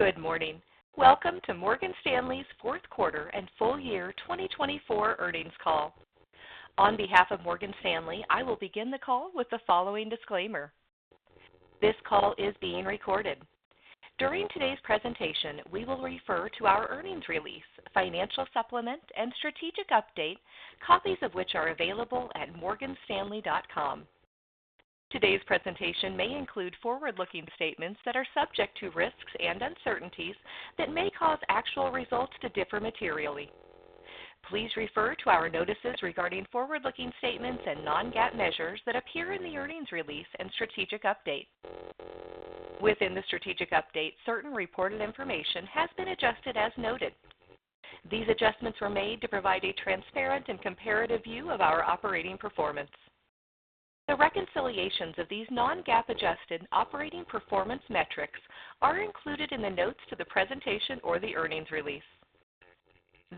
Good morning. Welcome to Morgan Stanley's fourth quarter and full-year 2024 earnings call. On behalf of Morgan Stanley, I will begin the call with the following disclaimer. This call is being recorded. During today's presentation, we will refer to our earnings release, financial supplement, and strategic update, copies of which are available at morganstanley.com. Today's presentation may include forward-looking statements that are subject to risks and uncertainties that may cause actual results to differ materially. Please refer to our notices regarding forward-looking statements and non-GAAP measures that appear in the earnings release and strategic update. Within the strategic update, certain reported information has been adjusted as noted. These adjustments were made to provide a transparent and comparative view of our operating performance. The reconciliations of these non-GAAP adjusted operating performance metrics are included in the notes to the presentation or the earnings release.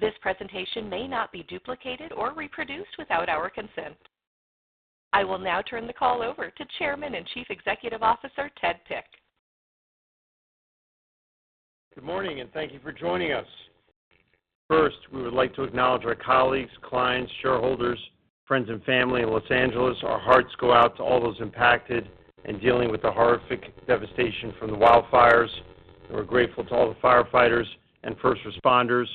This presentation may not be duplicated or reproduced without our consent. I will now turn the call over to Chairman and Chief Executive Officer Ted Pick. Good morning and thank you for joining us. First, we would like to acknowledge our colleagues, clients, shareholders, friends, and family in Los Angeles. Our hearts go out to all those impacted and dealing with the horrific devastation from the wildfires. We're grateful to all the firefighters and first responders.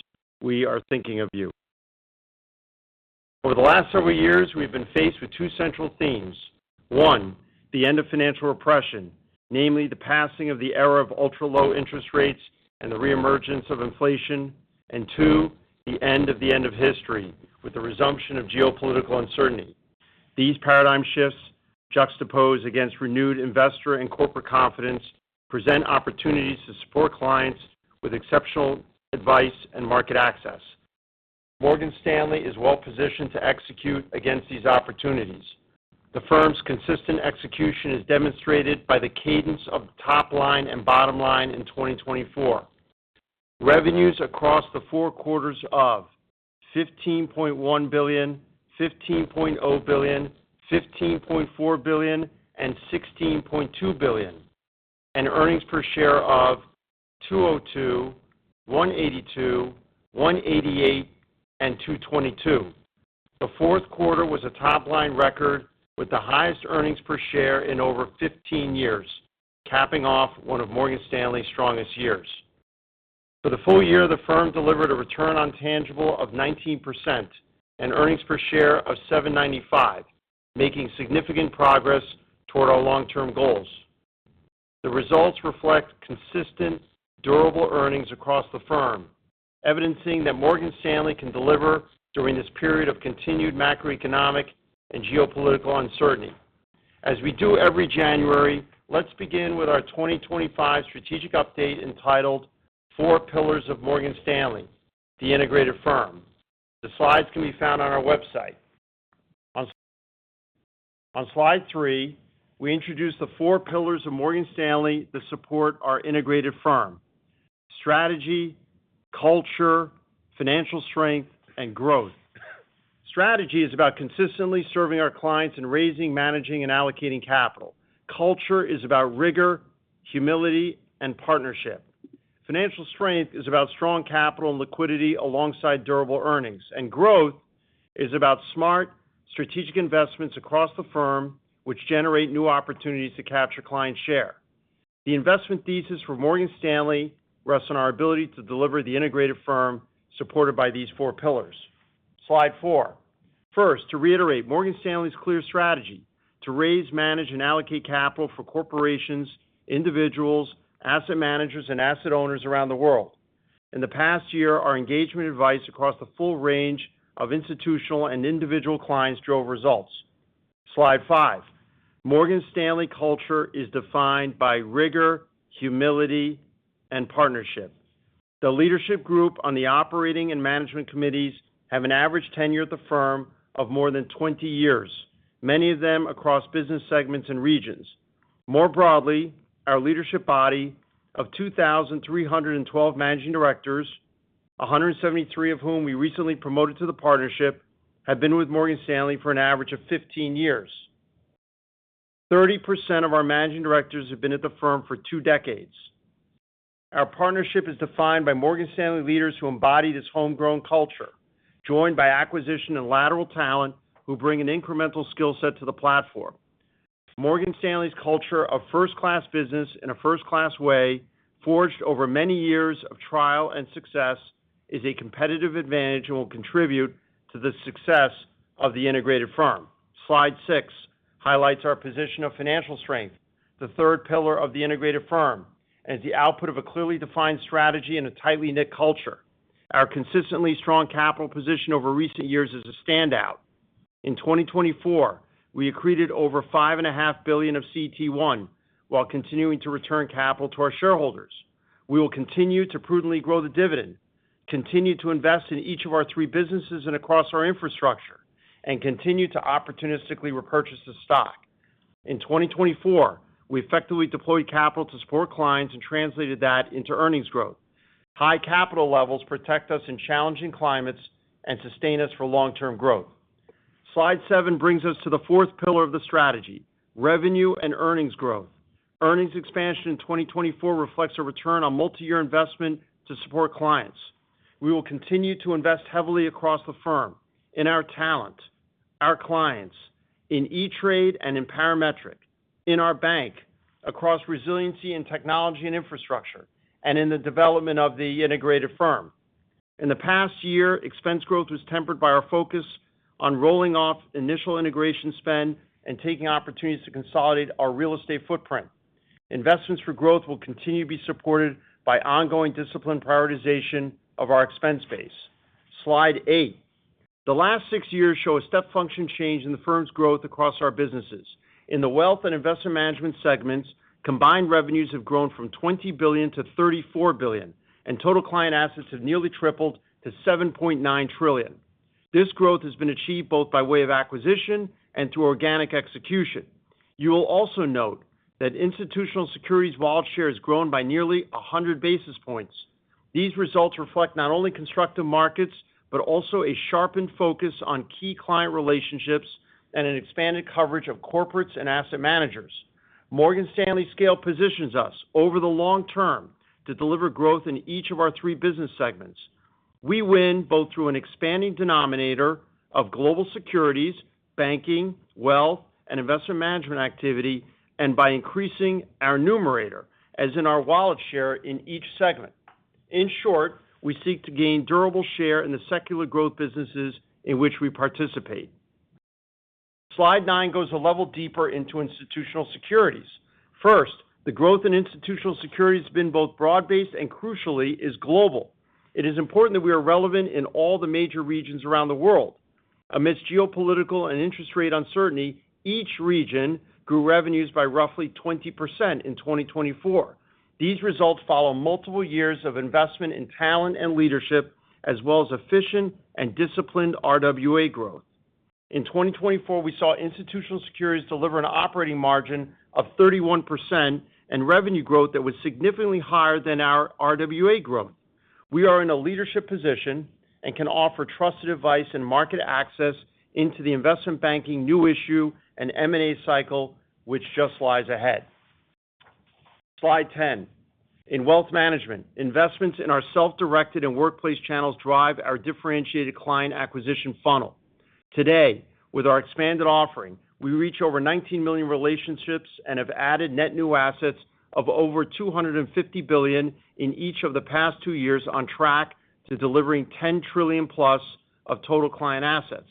We are thinking of you. Over the last several years, we've been faced with two central themes. One, the end of financial repression, namely the passing of the era of ultra-low interest rates and the reemergence of inflation. And two, the end of the end of history with the resumption of geopolitical uncertainty. These paradigm shifts juxtapose against renewed investor and corporate confidence, present opportunities to support clients with exceptional advice and market access. Morgan Stanley is well positioned to execute against these opportunities. The firm's consistent execution is demonstrated by the cadence of top line and bottom line in 2024. Revenues across the four quarters of $15.1 billion, $15.0 billion, $15.4 billion, and $16.2 billion, and earnings per share of $2.02, $1.82, $1.88, and $2.22. The fourth quarter was a top line record with the highest earnings per share in over 15 years, capping off one of Morgan Stanley's strongest years. For the full-year, the firm delivered a return on tangible of 19% and earnings per share of $7.95, making significant progress toward our long-term goals. The results reflect consistent, durable earnings across the firm, evidencing that Morgan Stanley can deliver during this period of continued macroeconomic and geopolitical uncertainty. As we do every January, let's begin with our 2025 strategic update entitled Four Pillars of Morgan Stanley: The Integrated Firm. The slides can be found on our website. On slide three, we introduce the four pillars of Morgan Stanley that support our integrated firm: strategy, culture, financial strength, and growth. Strategy is about consistently serving our clients in raising, managing, and allocating capital. Culture is about rigor, humility, and partnership. Financial strength is about strong capital and liquidity alongside durable earnings, and growth is about smart, strategic investments across the firm, which generate new opportunities to capture client share. The investment thesis for Morgan Stanley rests on our ability to deliver the integrated firm supported by these four pillars. Slide four. First, to reiterate Morgan Stanley's clear strategy to raise, manage, and allocate capital for corporations, individuals, asset managers, and asset owners around the world. In the past year, our engagement advice across the full range of institutional and individual clients drove results. Slide five. Morgan Stanley culture is defined by rigor, humility, and partnership. The leadership group on the operating and management committees have an average tenure at the firm of more than 20 years, many of them across business segments and regions. More broadly, our leadership body of 2,312 managing directors, 173 of whom we recently promoted to the partnership, have been with Morgan Stanley for an average of 15 years. 30% of our managing directors have been at the firm for two decades. Our partnership is defined by Morgan Stanley leaders who embody this homegrown culture, joined by acquisition and lateral talent who bring an incremental skill set to the platform. Morgan Stanley's culture of first-class business in a first-class way, forged over many years of trial and success, is a competitive advantage and will contribute to the success of the integrated firm. Slide six highlights our position of financial strength, the third pillar of the Integrated Firm, as the output of a clearly defined strategy and a tightly knit culture. Our consistently strong capital position over recent years is a standout. In 2024, we accreted over $5.5 billion of CET1 while continuing to return capital to our shareholders. We will continue to prudently grow the dividend, continue to invest in each of our three businesses and across our infrastructure, and continue to opportunistically repurchase the stock. In 2024, we effectively deployed capital to support clients and translated that into earnings growth. High capital levels protect us in challenging climates and sustain us for long-term growth. Slide seven brings us to the fourth pillar of the strategy: revenue and earnings growth. Earnings expansion in 2024 reflects a return on multi-year investment to support clients. We will continue to invest heavily across the firm, in our talent, our clients, in E*TRADE and Empower Metric, in our bank, across resiliency and technology and infrastructure, and in the development of the integrated firm. In the past year, expense growth was tempered by our focus on rolling off initial integration spend and taking opportunities to consolidate our real estate footprint. Investments for growth will continue to be supported by ongoing discipline prioritization of our expense base. Slide eight. The last six years show a step function change in the firm's growth across our businesses. In the Wealth and Investment Management segments, combined revenues have grown from $20 billion to $34 billion, and total client assets have nearly tripled to $7.9 trillion. This growth has been achieved both by way of acquisition and through organic execution. You will also note that Institutional Securities' wallet share has grown by nearly 100 basis points. These results reflect not only constructive markets but also a sharpened focus on key client relationships and an expanded coverage of corporates and asset managers. Morgan Stanley scale positions us over the long term to deliver growth in each of our three business segments. We win both through an expanding denominator of global securities, banking, Wealth Management, and Investment Management activity, and by increasing our numerator, as in our wallet share in each segment. In short, we seek to gain durable share in the secular growth businesses in which we participate. Slide nine goes a level deeper into Institutional Securities. First, the growth in Institutional Securities has been both broad-based and, crucially, is global. It is important that we are relevant in all the major regions around the world. Amidst geopolitical and interest rate uncertainty, each region grew revenues by roughly 20% in 2024. These results follow multiple years of investment in talent and leadership, as well as efficient and disciplined RWA growth. In 2024, we saw Institutional Securities deliver an operating margin of 31% and revenue growth that was significantly higher than our RWA growth. We are in a leadership position and can offer trusted advice and market access into the investment banking new issue and M&A cycle, which just lies ahead. Slide 10. In Wealth Management, investments in our self-directed and Workplace channels drive our differentiated client acquisition funnel. Today, with our expanded offering, we reach over 19 million relationships and have added net new assets of over $250 billion in each of the past two years on track to delivering $10 trillion plus of total client assets.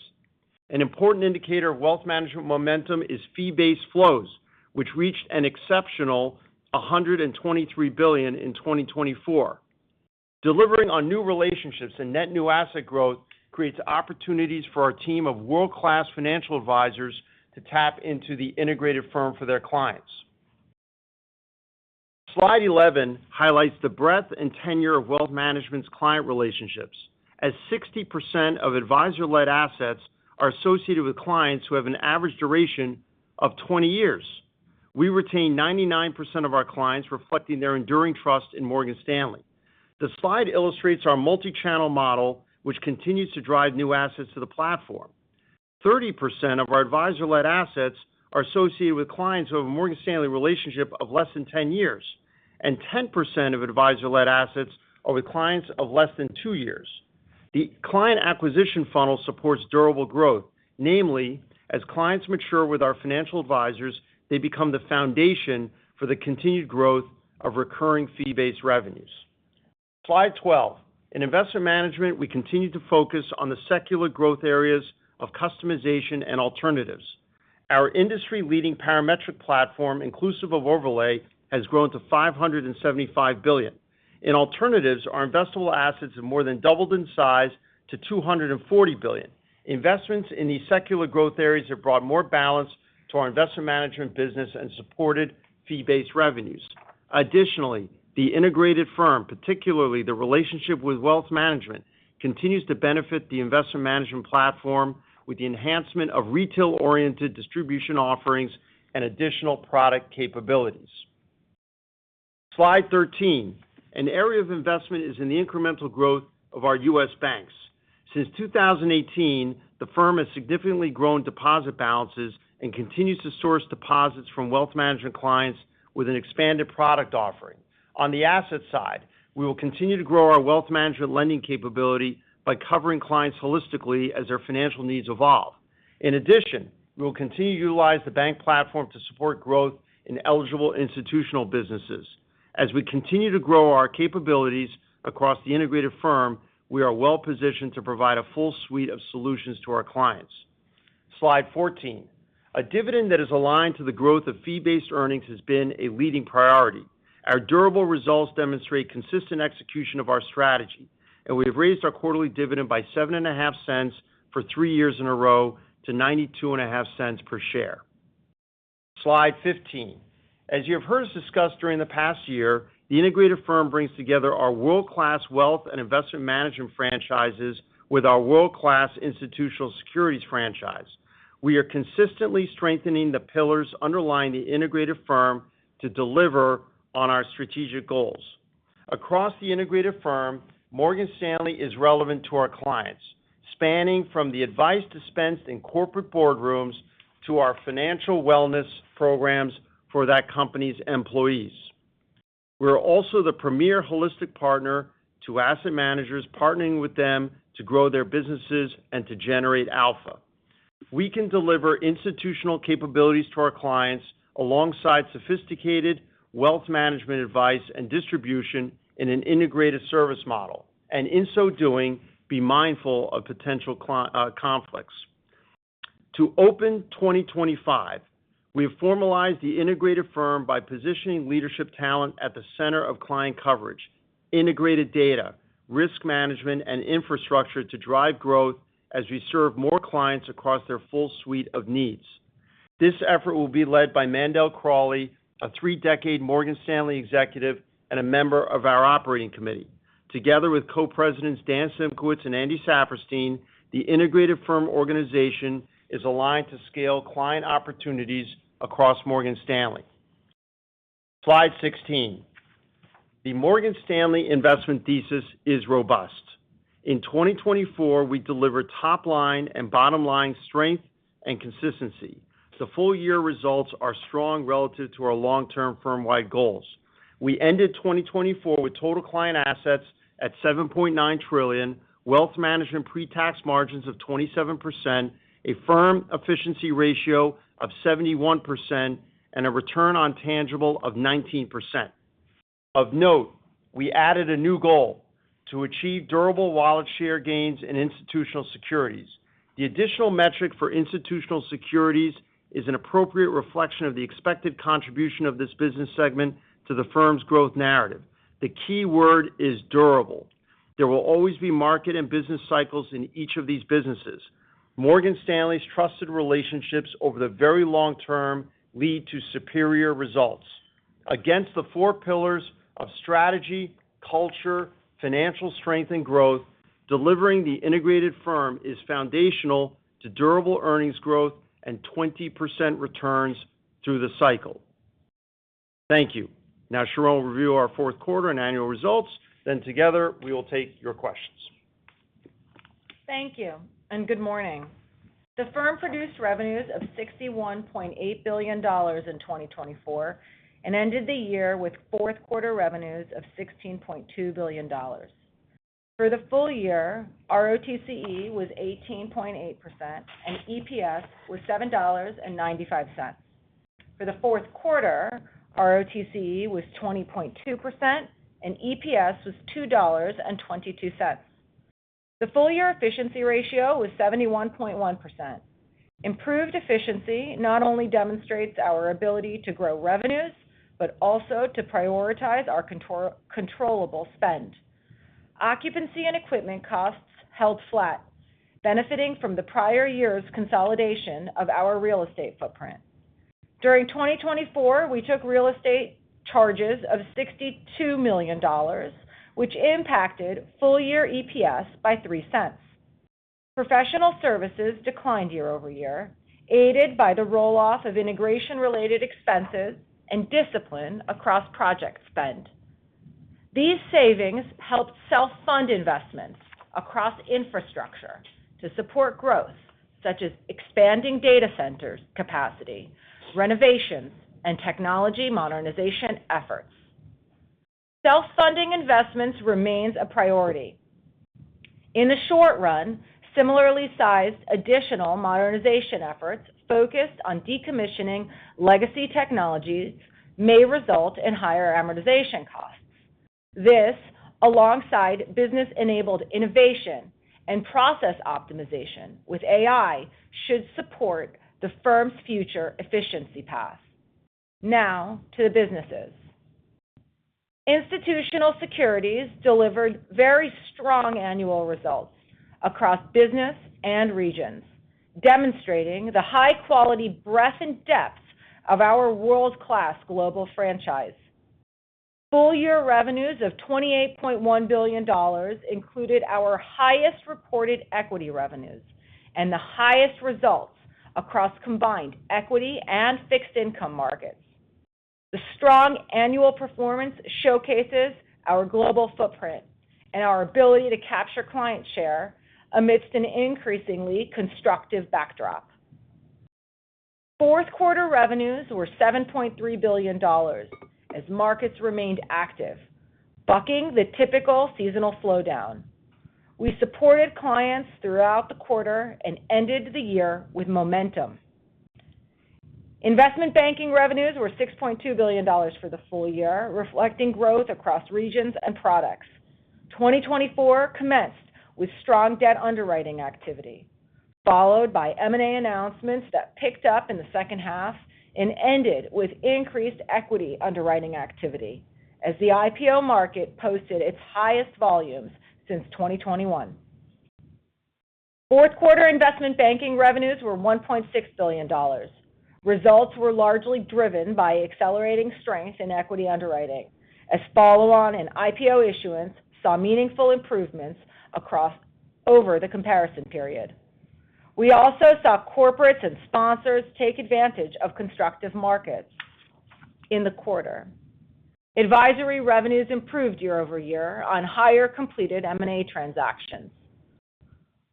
An important indicator of wealth management momentum is fee-based flows, which reached an exceptional $123 billion in 2024. Delivering on new relationships and net new asset growth creates opportunities for our team of world-class financial advisors to tap into the integrated firm for their clients. Slide 11 highlights the breadth and tenure of wealth management's client relationships, as 60% of advisor-led assets are associated with clients who have an average duration of 20 years. We retain 99% of our clients, reflecting their enduring trust in Morgan Stanley. The slide illustrates our multi-channel model, which continues to drive new assets to the platform. 30% of our advisor-led assets are associated with clients who have a Morgan Stanley relationship of less than 10 years, and 10% of advisor-led assets are with clients of less than two years. The client acquisition funnel supports durable growth, namely, as clients mature with our financial advisors, they become the foundation for the continued growth of recurring fee-based revenues. Slide 12. In Investment Management, we continue to focus on the secular growth areas of customization and alternatives. Our industry-leading Parametric platform, Inclusive of Overlay, has grown to $575 billion. In alternatives, our investable assets have more than doubled in size to $240 billion. Investments in these secular growth areas have brought more balance to our Investment Management business and supported fee-based revenues. Additionally, the Integrated Firm, particularly the relationship with Wealth Management, continues to benefit the Investment Management platform with the enhancement of retail-oriented distribution offerings and additional product capabilities. Slide 13. An area of investment is in the incremental growth of our U.S. banks. Since 2018, the firm has significantly grown deposit balances and continues to source deposits from wealth management clients with an expanded product offering. On the asset side, we will continue to grow our wealth management lending capability by covering clients holistically as their financial needs evolve. In addition, we will continue to utilize the bank platform to support growth in eligible institutional businesses. As we continue to grow our capabilities across the integrated firm, we are well positioned to provide a full suite of solutions to our clients. Slide 14. A dividend that is aligned to the growth of fee-based earnings has been a leading priority. Our durable results demonstrate consistent execution of our strategy, and we have raised our quarterly dividend by $0.075 for three years in a row to $0.925 per share. Slide 15. As you have heard us discuss during the past year, the Integrated Firm brings together our world-class Wealth and Investment Management franchises with our world-class Institutional Securities franchise. We are consistently strengthening the pillars underlying the Integrated Firm to deliver on our strategic goals. Across the Integrated Firm, Morgan Stanley is relevant to our clients, spanning from the advice dispensed in corporate boardrooms to our financial wellness programs for that company's employees. We are also the premier holistic partner to asset managers, partnering with them to grow their businesses and to generate alpha. We can deliver institutional capabilities to our clients alongside sophisticated wealth management advice and distribution in an integrated service model, and in so doing, be mindful of potential conflicts. To open 2025, we have formalized the integrated firm by positioning leadership talent at the center of client coverage, integrated data, risk management, and infrastructure to drive growth as we serve more clients across their full suite of needs. This effort will be led by Mandell Crawley, a three-decade Morgan Stanley executive and a member of our operating committee. Together with Co-Presidents Dan Simkowitz and Andy Saperstein, the integrated firm organization is aligned to scale client opportunities across Morgan Stanley. Slide 16. The Morgan Stanley investment thesis is robust. In 2024, we deliver top-line and bottom-line strength and consistency. The full-year results are strong relative to our long-term firm-wide goals. We ended 2024 with total client assets at $7.9 trillion, wealth management pre-tax margins of 27%, a firm efficiency ratio of 71%, and a return on tangible of 19%. Of note, we added a new goal to achieve durable wallet share gains in Institutional Securities. The additional metric for Institutional Securities is an appropriate reflection of the expected contribution of this business segment to the firm's growth narrative. The key word is durable. There will always be market and business cycles in each of these businesses. Morgan Stanley's trusted relationships over the very long term lead to superior results. Against the four pillars of strategy, culture, financial strength, and growth, delivering the Integrated Firm is foundational to durable earnings growth and 20% returns through the cycle. Thank you. Now, will review our fourth quarter and annual results, then together we will take your questions. Thank you, and good morning. The firm produced revenues of $61.8 billion in 2024 and ended the year with fourth quarter revenues of $16.2 billion. For the full-year, ROTCE was 18.8%, and EPS was $7.95. For the fourth quarter, ROTCE was 20.2%, and EPS was $2.22. The full-year efficiency ratio was 71.1%. Improved efficiency not only demonstrates our ability to grow revenues but also to prioritize our controllable spend. Occupancy and equipment costs held flat, benefiting from the prior year's consolidation of our real estate footprint. During 2024, we took real estate charges of $62 million, which impacted full-year EPS by $0.03. Professional services declined year-over-year, aided by the roll-off of integration-related expenses and discipline across project spend. These savings helped self-fund investments across infrastructure to support growth, such as expanding data centers capacity, renovations, and technology modernization efforts. Self-funding investments remain a priority. In the short run, similarly sized additional modernization efforts focused on decommissioning legacy technologies may result in higher amortization costs. This, alongside business-enabled innovation and process optimization with AI, should support the firm's future efficiency path. Now, to the businesses. Institutional Securities delivered very strong annual results across businesses and regions, demonstrating the high-quality breadth and depth of our world-class global franchise. Full-year revenues of $28.1 billion included our highest reported equity revenues and the highest results across combined equity and fixed income markets. The strong annual performance showcases our global footprint and our ability to capture client share amidst an increasingly constructive backdrop. Fourth quarter revenues were $7.3 billion as markets remained active, bucking the typical seasonal slowdown. We supported clients throughout the quarter and ended the year with momentum. Investment banking revenues were $6.2 billion for the full-year, reflecting growth across regions and products. 2024 commenced with strong debt underwriting activity, followed by M&A announcements that picked up in the second half and ended with increased equity underwriting activity, as the IPO market posted its highest volumes since 2021. Fourth quarter investment banking revenues were $1.6 billion. Results were largely driven by accelerating strength in equity underwriting, as follow-on and IPO issuance saw meaningful improvements across the comparison period. We also saw corporates and sponsors take advantage of constructive markets in the quarter. Advisory revenues improved year-over-year on higher completed M&A transactions.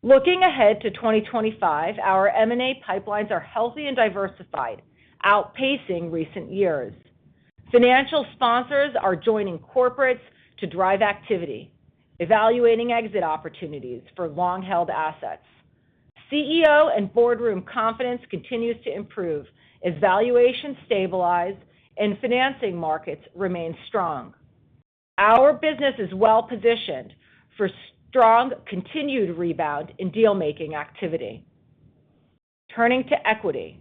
Looking ahead to 2025, our M&A pipelines are healthy and diversified, outpacing recent years. Financial sponsors are joining corporates to drive activity, evaluating exit opportunities for long-held assets. CEO and boardroom confidence continues to improve as valuations stabilize and financing markets remain strong. Our business is well positioned for strong continued rebound in deal-making activity. Turning to equity,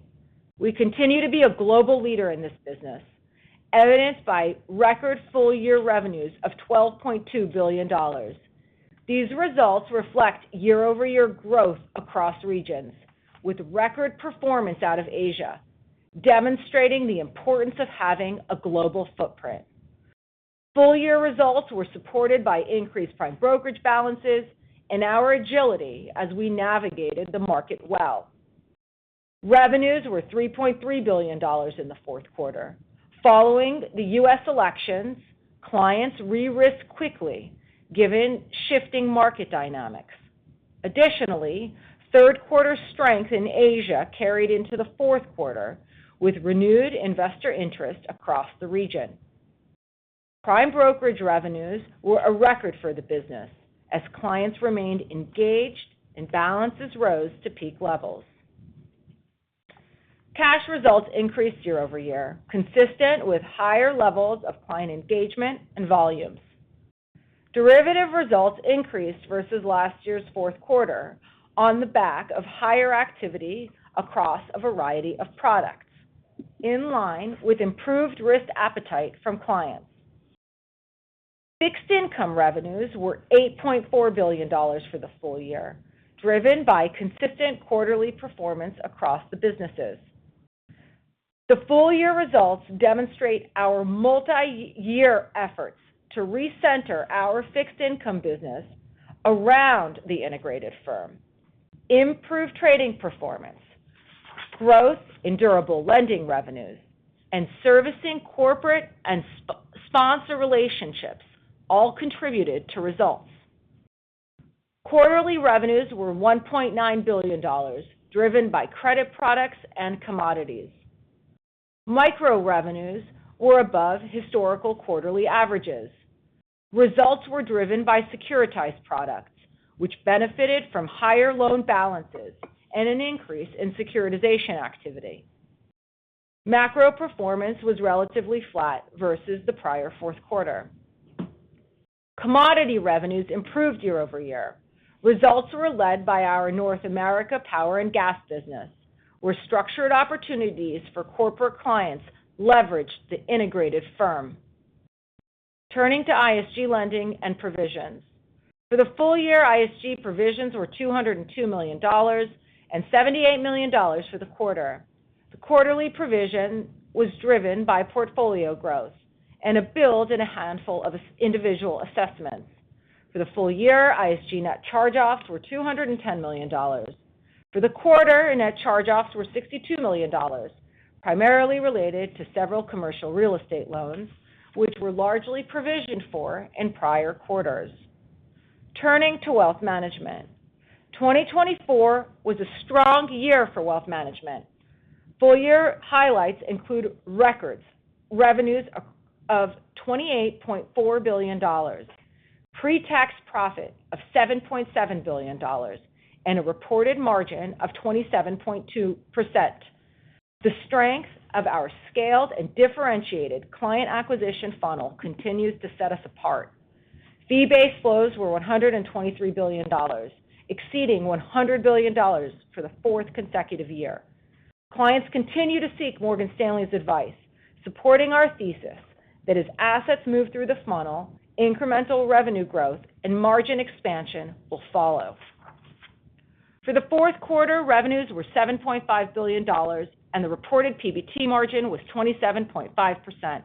we continue to be a global leader in this business, evidenced by record full-year revenues of $12.2 billion. These results reflect year-over-year growth across regions, with record performance out of Asia, demonstrating the importance of having a global footprint. Full-year results were supported by increased prime brokerage balances and our agility as we navigated the market well. Revenues were $3.3 billion in the fourth quarter. Following the U.S. elections, clients re-risked quickly, given shifting market dynamics. Additionally, third quarter strength in Asia carried into the fourth quarter, with renewed investor interest across the region. Prime brokerage revenues were a record for the business, as clients remained engaged and balances rose to peak levels. Cash results increased year-over-year, consistent with higher levels of client engagement and volumes. Derivative results increased versus last year's fourth quarter on the back of higher activity across a variety of products, in line with improved risk appetite from clients. Fixed Income revenues were $8.4 billion for the full-year, driven by consistent quarterly performance across the businesses. The full-year results demonstrate our multi-year efforts to recenter our Fixed Income business around the Integrated Firm. Improved trading performance, growth in durable lending revenues, and servicing corporate and sponsor relationships all contributed to results. Quarterly revenues were $1.9 billion, driven by credit products and commodities. Micro revenues were above historical quarterly averages. Results were driven by securitized products, which benefited from higher loan balances and an increase in securitization activity. Macro performance was relatively flat versus the prior fourth quarter. Commodity revenues improved year-over-year. Results were led by our North America power and gas business, where structured opportunities for corporate clients leveraged the Integrated Firm. Turning to ISG lending and provisions. For the full-year, ISG provisions were $202 million and $78 million for the quarter. The quarterly provision was driven by portfolio growth and a build in a handful of individual assessments. For the full-year, ISG net charge-offs were $210 million. For the quarter, net charge-offs were $62 million, primarily related to several commercial real estate loans, which were largely provisioned for in prior quarters. Turning to Wealth Management, 2024 was a strong year for Wealth Management. Full-year highlights include record revenues of $28.4 billion, pre-tax profit of $7.7 billion, and a reported margin of 27.2%. The strength of our scaled and differentiated client acquisition funnel continues to set us apart. Fee-based flows were $123 billion, exceeding $100 billion for the fourth consecutive year. Clients continue to seek Morgan Stanley's advice, supporting our thesis that as assets move through the funnel, incremental revenue growth and margin expansion will follow. For the fourth quarter, revenues were $7.5 billion, and the reported PBT margin was 27.5%.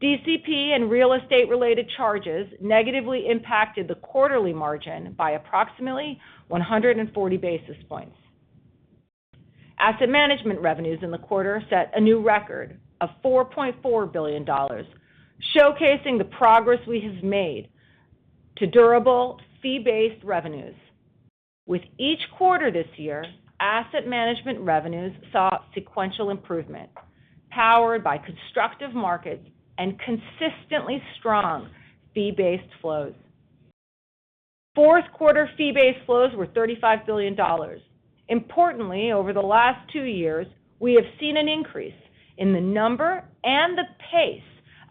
DCP and real estate-related charges negatively impacted the quarterly margin by approximately 140 basis points. Asset management revenues in the quarter set a new record of $4.4 billion, showcasing the progress we have made to durable fee-based revenues. With each quarter this year, asset management revenues saw sequential improvement, powered by constructive markets and consistently strong fee-based flows. Fourth quarter fee-based flows were $35 billion. Importantly, over the last two years, we have seen an increase in the number and the pace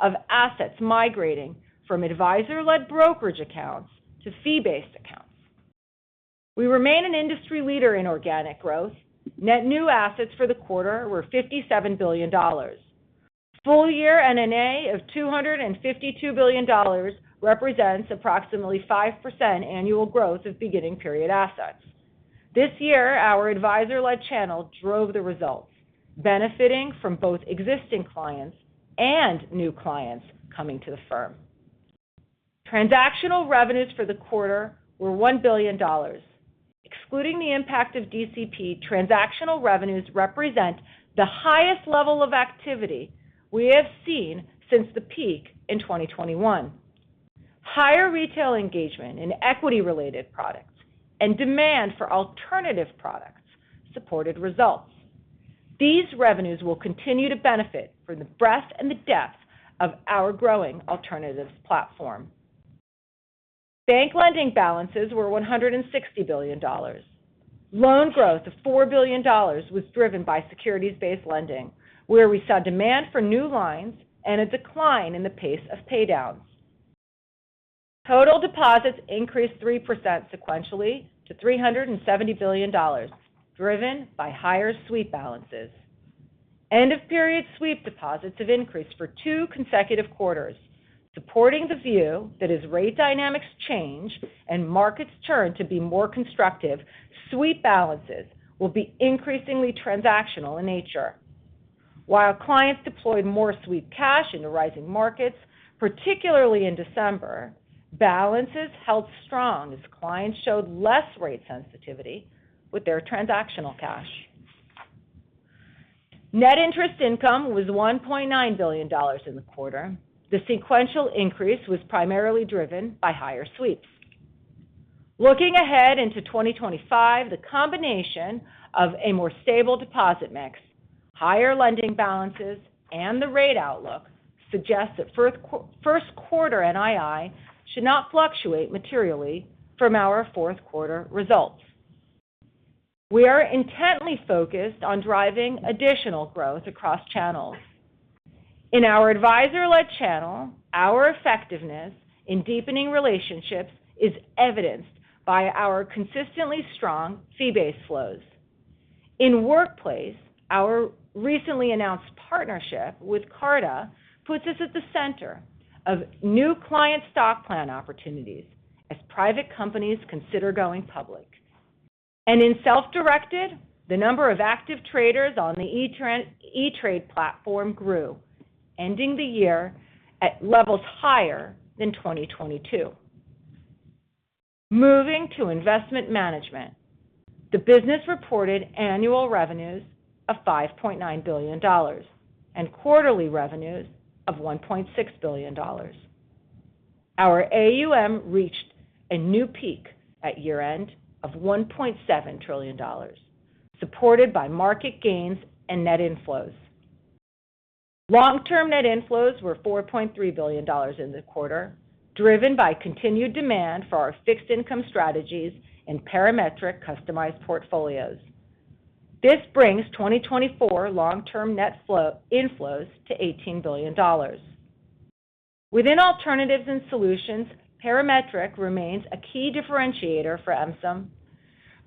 of assets migrating from advisor-led brokerage accounts to fee-based accounts. We remain an industry leader in organic growth. Net new assets for the quarter were $57 billion. Full-year NNA of $252 billion represents approximately 5% annual growth of beginning period assets. This year, our advisor-led channel drove the results, benefiting from both existing clients and new clients coming to the firm. Transactional revenues for the quarter were $1 billion. Excluding the impact of DCP, transactional revenues represent the highest level of activity we have seen since the peak in 2021. Higher retail engagement in equity-related products and demand for alternative products supported results. These revenues will continue to benefit from the breadth and the depth of our growing alternatives platform. Bank lending balances were $160 billion. Loan growth of $4 billion was driven by securities-based lending, where we saw demand for new lines and a decline in the pace of paydowns. Total deposits increased 3% sequentially to $370 billion, driven by higher sweep balances. End-of-period sweep deposits have increased for two consecutive quarters, supporting the view that as rate dynamics change and markets turn to be more constructive, sweep balances will be increasingly transactional in nature. While clients deployed more sweep cash into rising markets, particularly in December, balances held strong as clients showed less rate sensitivity with their transactional cash. Net interest income was $1.9 billion in the quarter. The sequential increase was primarily driven by higher sweeps. Looking ahead into 2025, the combination of a more stable deposit mix, higher lending balances, and the rate outlook suggests that first quarter NII should not fluctuate materially from our fourth quarter results. We are intently focused on driving additional growth across channels. In our advisor-led channel, our effectiveness in deepening relationships is evidenced by our consistently strong fee-based flows. In Workplace, our recently announced partnership with Carta puts us at the center of new client stock plan opportunities as private companies consider going public. In self-directed, the number of active traders on the E*TRADE platform grew, ending the year at levels higher than 2022. Moving to Investment Management, the business reported annual revenues of $5.9 billion and quarterly revenues of $1.6 billion. Our AUM reached a new peak at year-end of $1.7 trillion, supported by market gains and net inflows. Long-term net inflows were $4.3 billion in the quarter, driven by continued demand for our fixed income strategies and Parametric customized portfolios. This brings 2024 long-term net inflows to $18 billion. Within alternatives and solutions, Parametric remains a key differentiator for MSIM.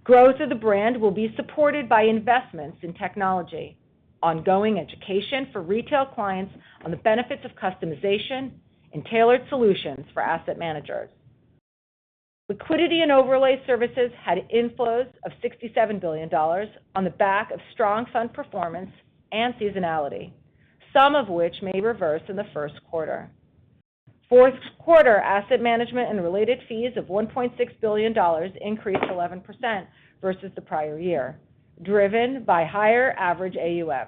Growth of the brand will be supported by investments in technology, ongoing education for retail clients on the benefits of customization, and tailored solutions for asset managers. Liquidity and overlay services had inflows of $67 billion on the back of strong fund performance and seasonality, some of which may reverse in the first quarter. Fourth quarter asset management and related fees of $1.6 billion increased 11% versus the prior year, driven by higher average AUM.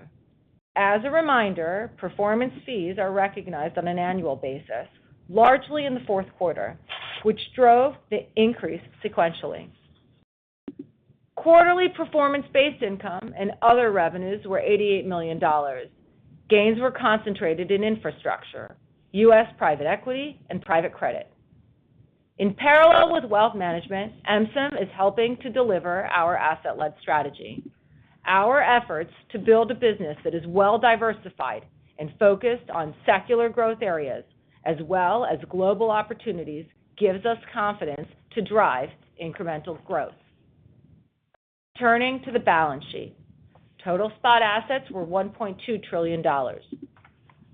As a reminder, performance fees are recognized on an annual basis, largely in the fourth quarter, which drove the increase sequentially. Quarterly performance-based income and other revenues were $88 million. Gains were concentrated in infrastructure, U.S. private equity, and private credit. In parallel with wealth management, MSIM is helping to deliver our asset-led strategy. Our efforts to build a business that is well-diversified and focused on secular growth areas as well as global opportunities gives us confidence to drive incremental growth. Turning to the balance sheet, total spot assets were $1.2 trillion.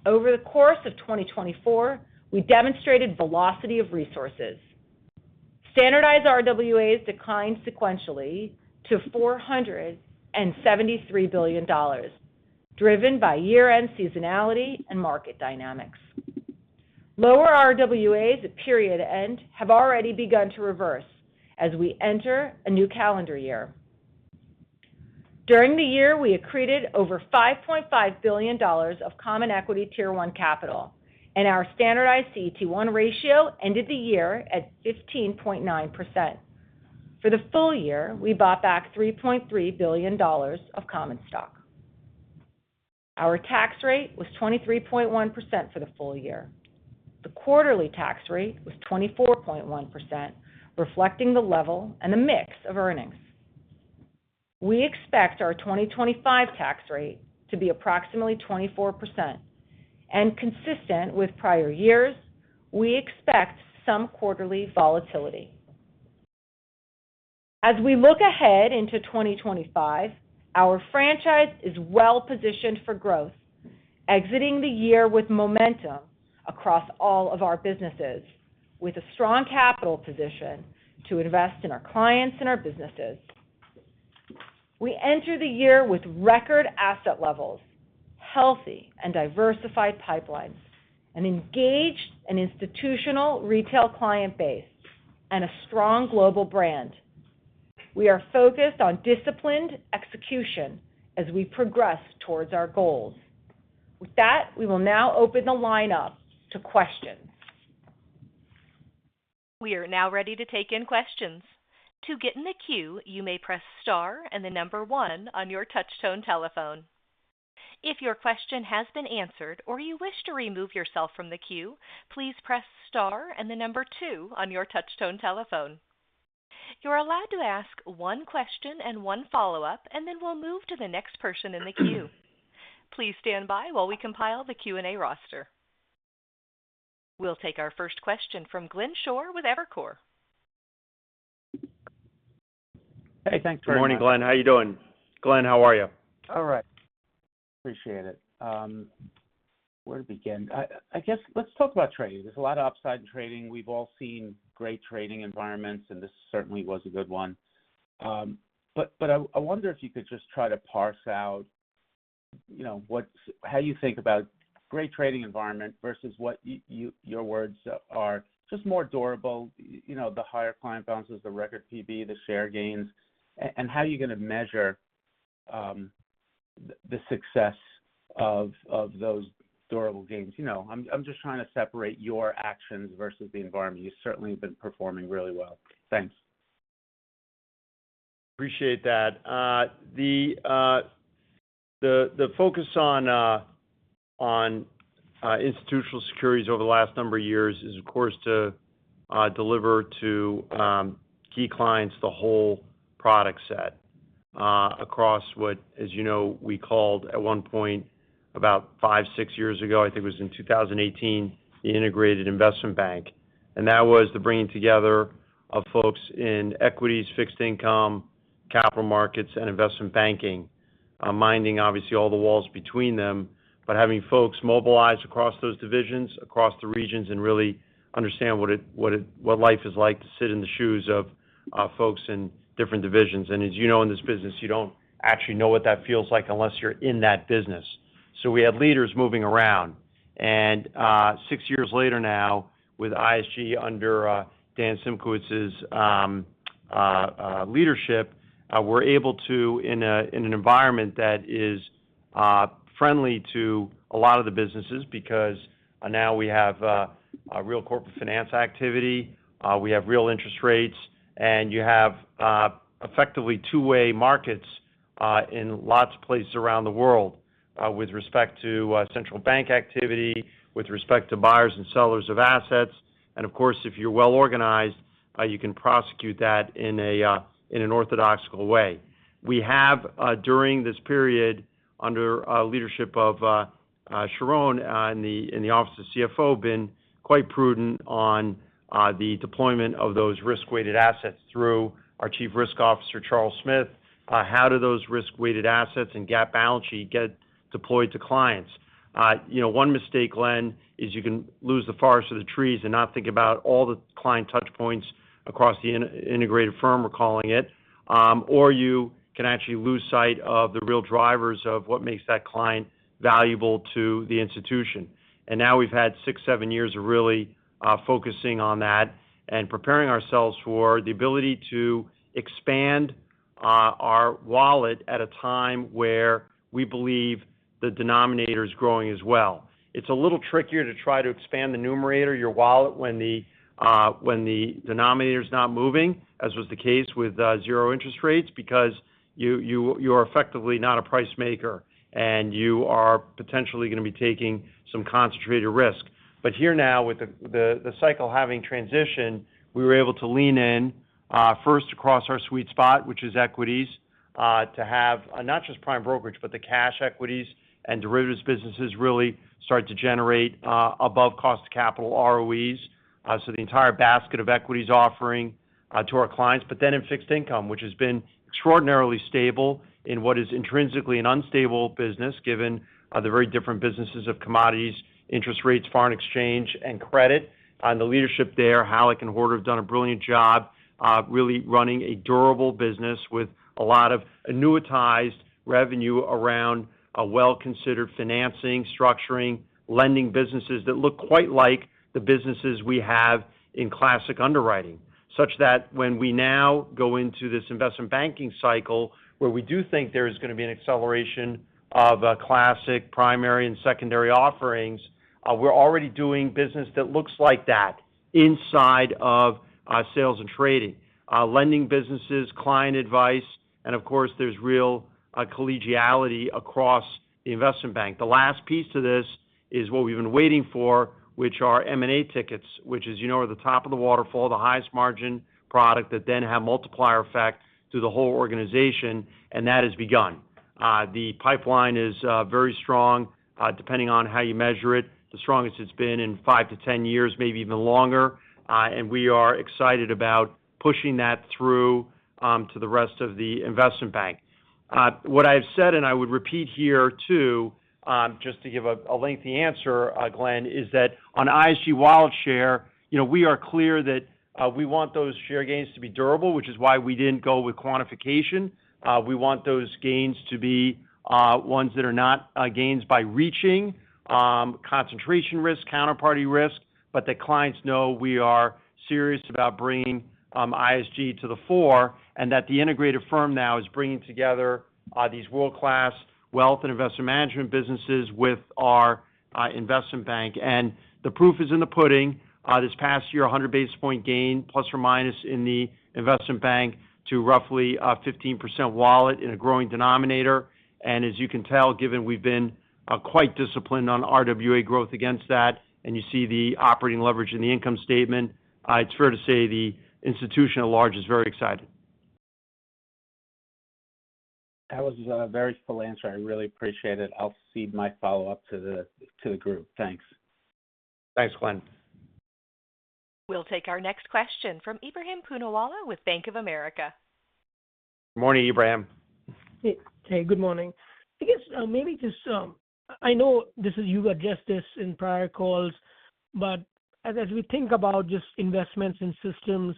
Over the course of 2024, we demonstrated velocity of resources. Standardized RWAs declined sequentially to $473 billion, driven by year-end seasonality and market dynamics. Lower RWAs at period end have already begun to reverse as we enter a new calendar year. During the year, we accreted over $5.5 billion of Common Equity Tier 1 capital, and our standardized CET1 ratio ended the year at 15.9%. For the full-year, we bought back $3.3 billion of common stock. Our tax rate was 23.1% for the full-year. The quarterly tax rate was 24.1%, reflecting the level and the mix of earnings. We expect our 2025 tax rate to be approximately 24%. Consistent with prior years, we expect some quarterly volatility. As we look ahead into 2025, our franchise is well-positioned for growth, exiting the year with momentum across all of our businesses, with a strong capital position to invest in our clients and our businesses. We enter the year with record asset levels, healthy and diversified pipelines, an engaged and institutional retail client base, and a strong global brand. We are focused on disciplined execution as we progress towards our goals. With that, we will now open the line up to questions. We are now ready to take in questions. To get in the queue, you may press star and the number one on your touchtone telephone. If your question has been answered or you wish to remove yourself from the queue, please press star and the number two on your touchtone telephone. You're allowed to ask one question and one follow-up, and then we'll move to the next person in the queue. Please stand by while we compile the Q&A roster. We'll take our first question from Glenn Schorr with Evercore. Hey, thanks for having me. Good morning, Glenn. How are you doing? Glenn, how are you? All right. Appreciate it. Where to begin? I guess let's talk about trading. There's a lot of upside in trading. We've all seen great trading environments, and this certainly was a good one. But I wonder if you could just try to parse out how you think about great trading environment versus what your words are, just more durable, the higher client balances, the record PB, the share gains, and how you're going to measure the success of those durable gains. I'm just trying to separate your actions versus the environment. You certainly have been performing really well. Thanks. Appreciate that. The focus on Institutional Securities over the last number of years is, of course, to deliver to key clients the whole product set across what, as you know, we called at one point about five, six years ago, I think it was in 2018, the Integrated Investment Bank. And that was the bringing together of folks in equities, fixed income, capital markets, and investment banking, minding obviously all the walls between them, but having folks mobilize across those divisions, across the regions, and really understand what life is like to sit in the shoes of folks in different divisions. And as you know, in this business, you don't actually know what that feels like unless you're in that business. So we had leaders moving around. Six years later now, with ISG under Dan Simkowitz's leadership, we're able to, in an environment that is friendly to a lot of the businesses because now we have real corporate finance activity, we have real interest rates, and you have effectively two-way markets in lots of places around the world with respect to central bank activity, with respect to buyers and sellers of assets. Of course, if you're well organized, you can prosecute that in an orthodox way. We have, during this period under leadership of Sharon in the office of CFO, been quite prudent on the deployment of those risk-weighted assets through our Chief Risk Officer, Charles Smith. How do those risk-weighted assets and gap balance sheet get deployed to clients? One mistake, Glenn, is you can lose the forest or the trees and not think about all the client touchpoints across the integrated firm, we're calling it, or you can actually lose sight of the real drivers of what makes that client valuable to the institution. And now we've had six, seven years of really focusing on that and preparing ourselves for the ability to expand our wallet at a time where we believe the denominator is growing as well. It's a little trickier to try to expand the numerator, your wallet, when the denominator is not moving, as was the case with zero interest rates, because you are effectively not a price maker and you are potentially going to be taking some concentrated risk. But here now, with the cycle having transitioned, we were able to lean in first across our sweet spot, which is equities, to have not just prime brokerage, but the cash equities and derivatives businesses really start to generate above cost of capital ROEs. So the entire basket of equities offering to our clients, but then in fixed income, which has been extraordinarily stable in what is intrinsically an unstable business, given the very different businesses of commodities, interest rates, foreign exchange, and credit. And the leadership there, Hallik and Horder, have done a brilliant job really running a durable business with a lot of annuitized revenue around well-considered financing, structuring, lending businesses that look quite like the businesses we have in classic underwriting, such that when we now go into this investment banking cycle where we do think there is going to be an acceleration of classic primary and secondary offerings, we're already doing business that looks like that inside of sales and trading, lending businesses, client advice, and of course, there's real collegiality across the investment bank. The last piece to this is what we've been waiting for, which are M&A tickets, which, as you know, are the top of the waterfall, the highest margin product that then have multiplier effect through the whole organization, and that has begun. The pipeline is very strong, depending on how you measure it, the strongest it's been in five to 10 years, maybe even longer. And we are excited about pushing that through to the rest of the investment bank. What I have said, and I would repeat here too, just to give a lengthy answer, Glenn, is that on ISG Wallet Share, we are clear that we want those share gains to be durable, which is why we didn't go with quantification. We want those gains to be ones that are not gains by reaching, concentration risk, counterparty risk, but that clients know we are serious about bringing ISG to the fore and that the integrated firm now is bringing together these world-class Wealth and Investment Management businesses with our investment bank. And the proof is in the pudding. This past year, 100 basis points gain plus or minus in the investment bank to roughly 15% wallet in a growing denominator, and as you can tell, given we've been quite disciplined on RWA growth against that, and you see the operating leverage in the income statement, it's fair to say the institution at large is very excited. That was a very full answer. I really appreciate it. I'll cede my follow-up to the group. Thanks. Thanks, Glenn. We'll take our next question from Ebrahim Poonawala with Bank of America. Good morning, Ebrahim. Hey, good morning. I guess maybe just I know this is you've addressed this in prior calls, but as we think about just investments and systems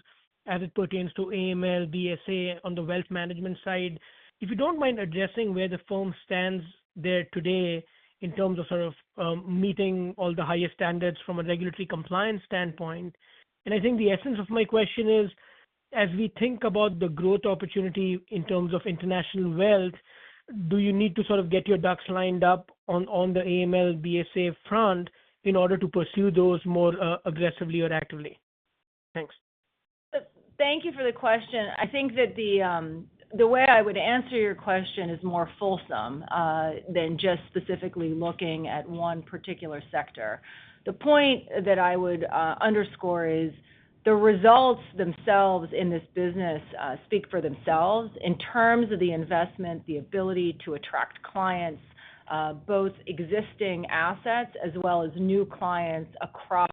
as it pertains to AML, DSA on the Wealth Management side, if you don't mind addressing where the firm stands there today in terms of sort of meeting all the highest standards from a regulatory compliance standpoint, and I think the essence of my question is, as we think about the growth opportunity in terms of international wealth, do you need to sort of get your ducks lined up on the AML, DSA front in order to pursue those more aggressively or actively? Thanks. Thank you for the question. I think that the way I would answer your question is more fulsome than just specifically looking at one particular sector. The point that I would underscore is the results themselves in this business speak for themselves in terms of the investment, the ability to attract clients, both existing assets as well as new clients across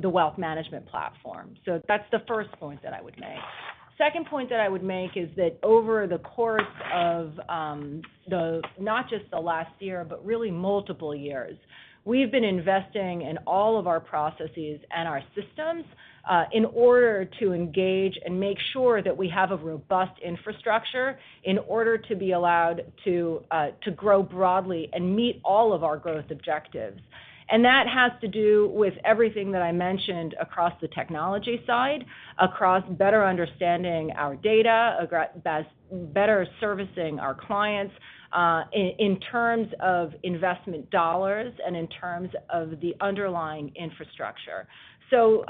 the Wealth Management platform. So that's the first point that I would make. Second point that I would make is that over the course of not just the last year, but really multiple years, we've been investing in all of our processes and our systems in order to engage and make sure that we have a robust infrastructure in order to be allowed to grow broadly and meet all of our growth objectives. And that has to do with everything that I mentioned across the technology side, across better understanding our data, better servicing our clients in terms of investment dollars and in terms of the underlying infrastructure. So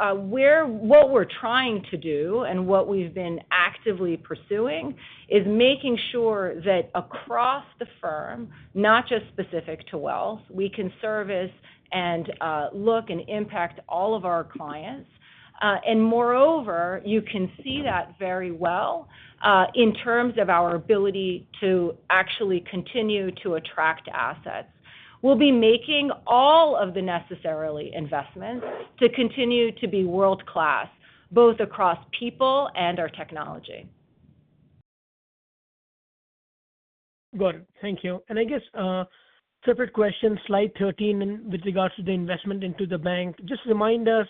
what we're trying to do and what we've been actively pursuing is making sure that across the firm, not just specific to wealth, we can service and look and impact all of our clients. And moreover, you can see that very well in terms of our ability to actually continue to attract assets. We'll be making all of the necessary investments to continue to be world-class, both across people and our technology. Good. Thank you. And I guess separate question, slide 13, with regards to the investment into the bank, just remind us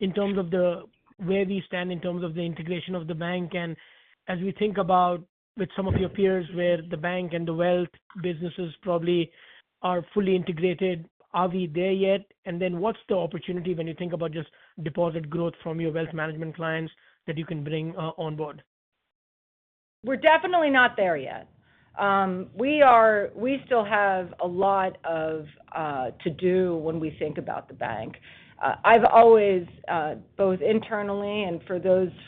in terms of where we stand in terms of the integration of the bank. And as we think about with some of your peers where the bank and the wealth businesses probably are fully integrated, are we there yet? And then what's the opportunity when you think about just deposit growth from your wealth management clients that you can bring on board? We're definitely not there yet. We still have a lot to do when we think about the bank. I've always, both internally and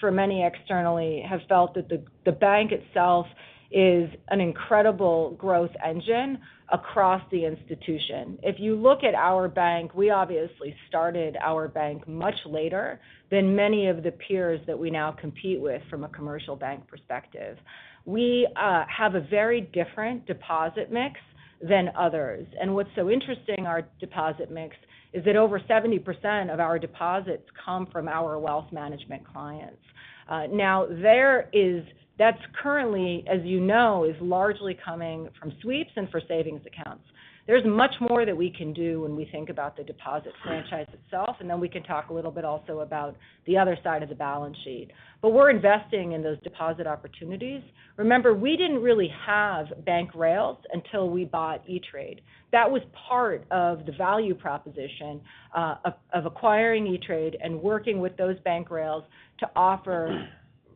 for many externally, have felt that the bank itself is an incredible growth engine across the institution. If you look at our bank, we obviously started our bank much later than many of the peers that we now compete with from a commercial bank perspective. We have a very different deposit mix than others. And what's so interesting about our deposit mix is that over 70% of our deposits come from our wealth management clients. Now, that's currently, as you know, is largely coming from sweeps and for savings accounts. There's much more that we can do when we think about the deposit franchise itself, and then we can talk a little bit also about the other side of the balance sheet. But we're investing in those deposit opportunities. Remember, we didn't really have bank rails until we bought E*TRADE. That was part of the value proposition of acquiring E*TRADE and working with those bank rails to offer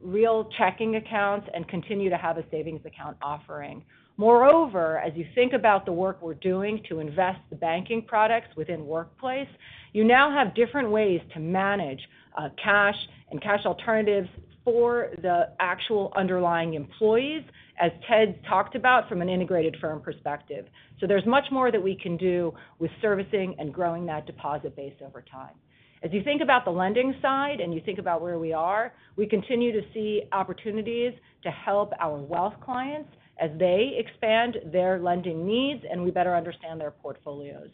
real checking accounts and continue to have a savings account offering. Moreover, as you think about the work we're doing to invest the banking products within Workplace, you now have different ways to manage cash and cash alternatives for the actual underlying employees, as Ted talked about from an Integrated Firm perspective. So there's much more that we can do with servicing and growing that deposit base over time. As you think about the lending side and you think about where we are, we continue to see opportunities to help our wealth clients as they expand their lending needs and we better understand their portfolios.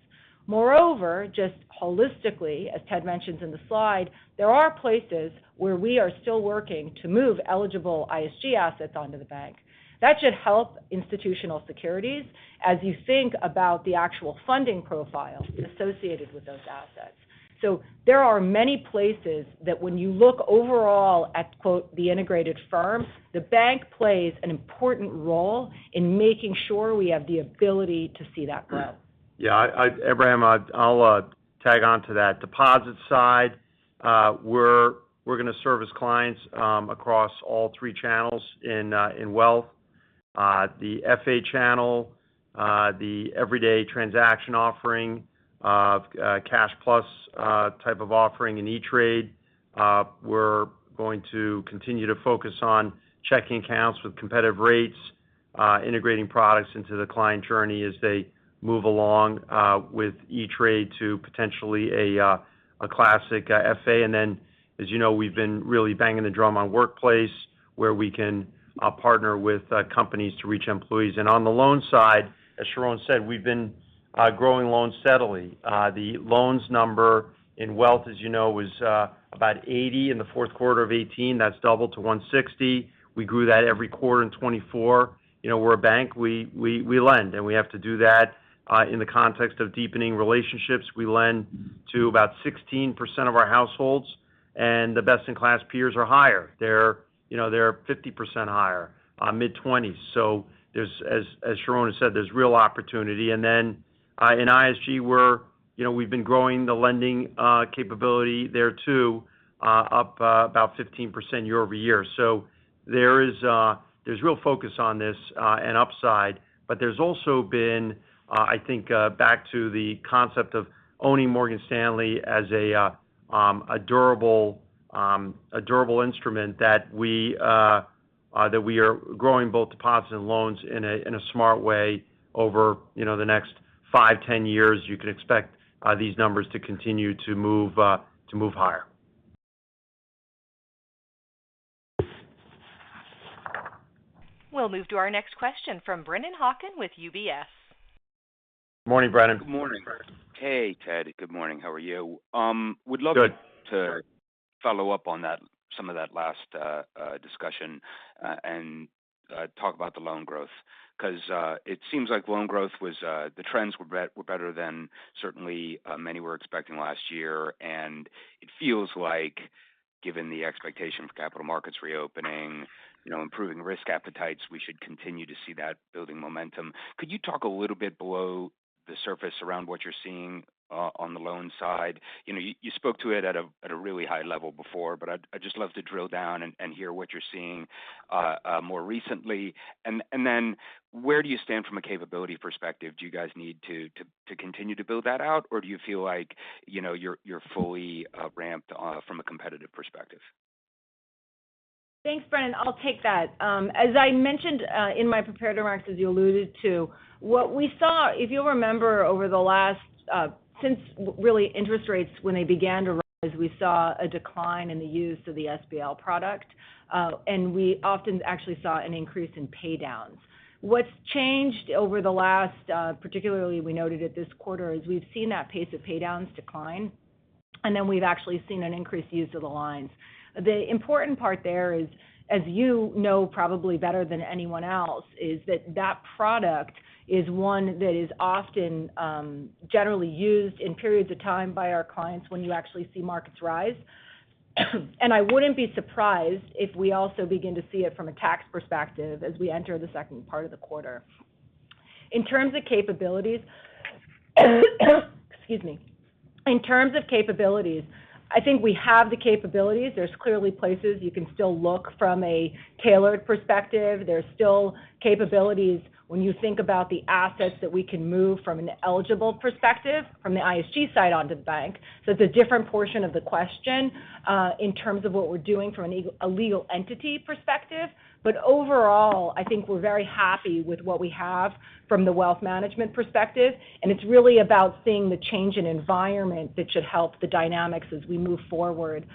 Moreover, just holistically, as Ted mentions in the slide, there are places where we are still working to move eligible ISG assets onto the bank. That should help institutional securities as you think about the actual funding profile associated with those assets. So there are many places that when you look overall at the integrated firm, the bank plays an important role in making sure we have the ability to see that grow. Yeah, Ebrahim, I'll tag on to that deposit side. We're going to service clients across all three channels in wealth: the FA channel, the everyday transaction offering, CashPlus type of offering in E*TRADE. We're going to continue to focus on checking accounts with competitive rates, integrating products into the client journey as they move along with E*TRADE to potentially a classic FA. And then, as you know, we've been really banging the drum on Workplace where we can partner with companies to reach employees. And on the loan side, as Sharon said, we've been growing loans steadily. The loans number in wealth, as you know, was about $80 billion in the fourth quarter of 2018. That's doubled to $160 billion. We grew that every quarter in 2024. We're a bank. We lend, and we have to do that in the context of deepening relationships. We lend to about 16% of our households, and the best-in-class peers are higher. They're 50% higher, mid-20s. So as Sharon has said, there's real opportunity. And then in ISG, we've been growing the lending capability there too up about 15% year-over-year. So there's real focus on this and upside, but there's also been, I think, back to the concept of owning Morgan Stanley as a durable instrument that we are growing both deposits and loans in a smart way over the next five, 10 years. You can expect these numbers to continue to move higher. We'll move to our next question from Brennan Hawken with UBS. Good morning, Brennan. Good morning. Hey, Ted. Good morning. How are you? Would love to follow up on some of that last discussion and talk about the loan growth because it seems like loan growth was. The trends were better than certainly many were expecting last year. And it feels like, given the expectation for capital markets reopening, improving risk appetites, we should continue to see that building momentum. Could you talk a little bit below the surface around what you're seeing on the loan side? You spoke to it at a really high level before, but I'd just love to drill down and hear what you're seeing more recently. And then where do you stand from a capability perspective? Do you guys need to continue to build that out, or do you feel like you're fully ramped from a competitive perspective? Thanks, Brennan. I'll take that. As I mentioned in my prepared remarks, as you alluded to, what we saw, if you remember, over the last since really interest rates when they began to rise, we saw a decline in the use of the SBL product, and we often actually saw an increase in paydowns. What's changed over the last, particularly we noted at this quarter, is we've seen that pace of paydowns decline, and then we've actually seen an increased use of the lines. The important part there is, as you know probably better than anyone else, is that that product is one that is often generally used in periods of time by our clients when you actually see markets rise. And I wouldn't be surprised if we also begin to see it from a tax perspective as we enter the second part of the quarter. In terms of capabilities, excuse me, in terms of capabilities, I think we have the capabilities. There's clearly places you can still look from a tailored perspective. There's still capabilities when you think about the assets that we can move from an eligible perspective from the ISG side onto the bank. So it's a different portion of the question in terms of what we're doing from a legal entity perspective. But overall, I think we're very happy with what we have from the Wealth Management perspective. And it's really about seeing the change in environment that should help the dynamics as we move forward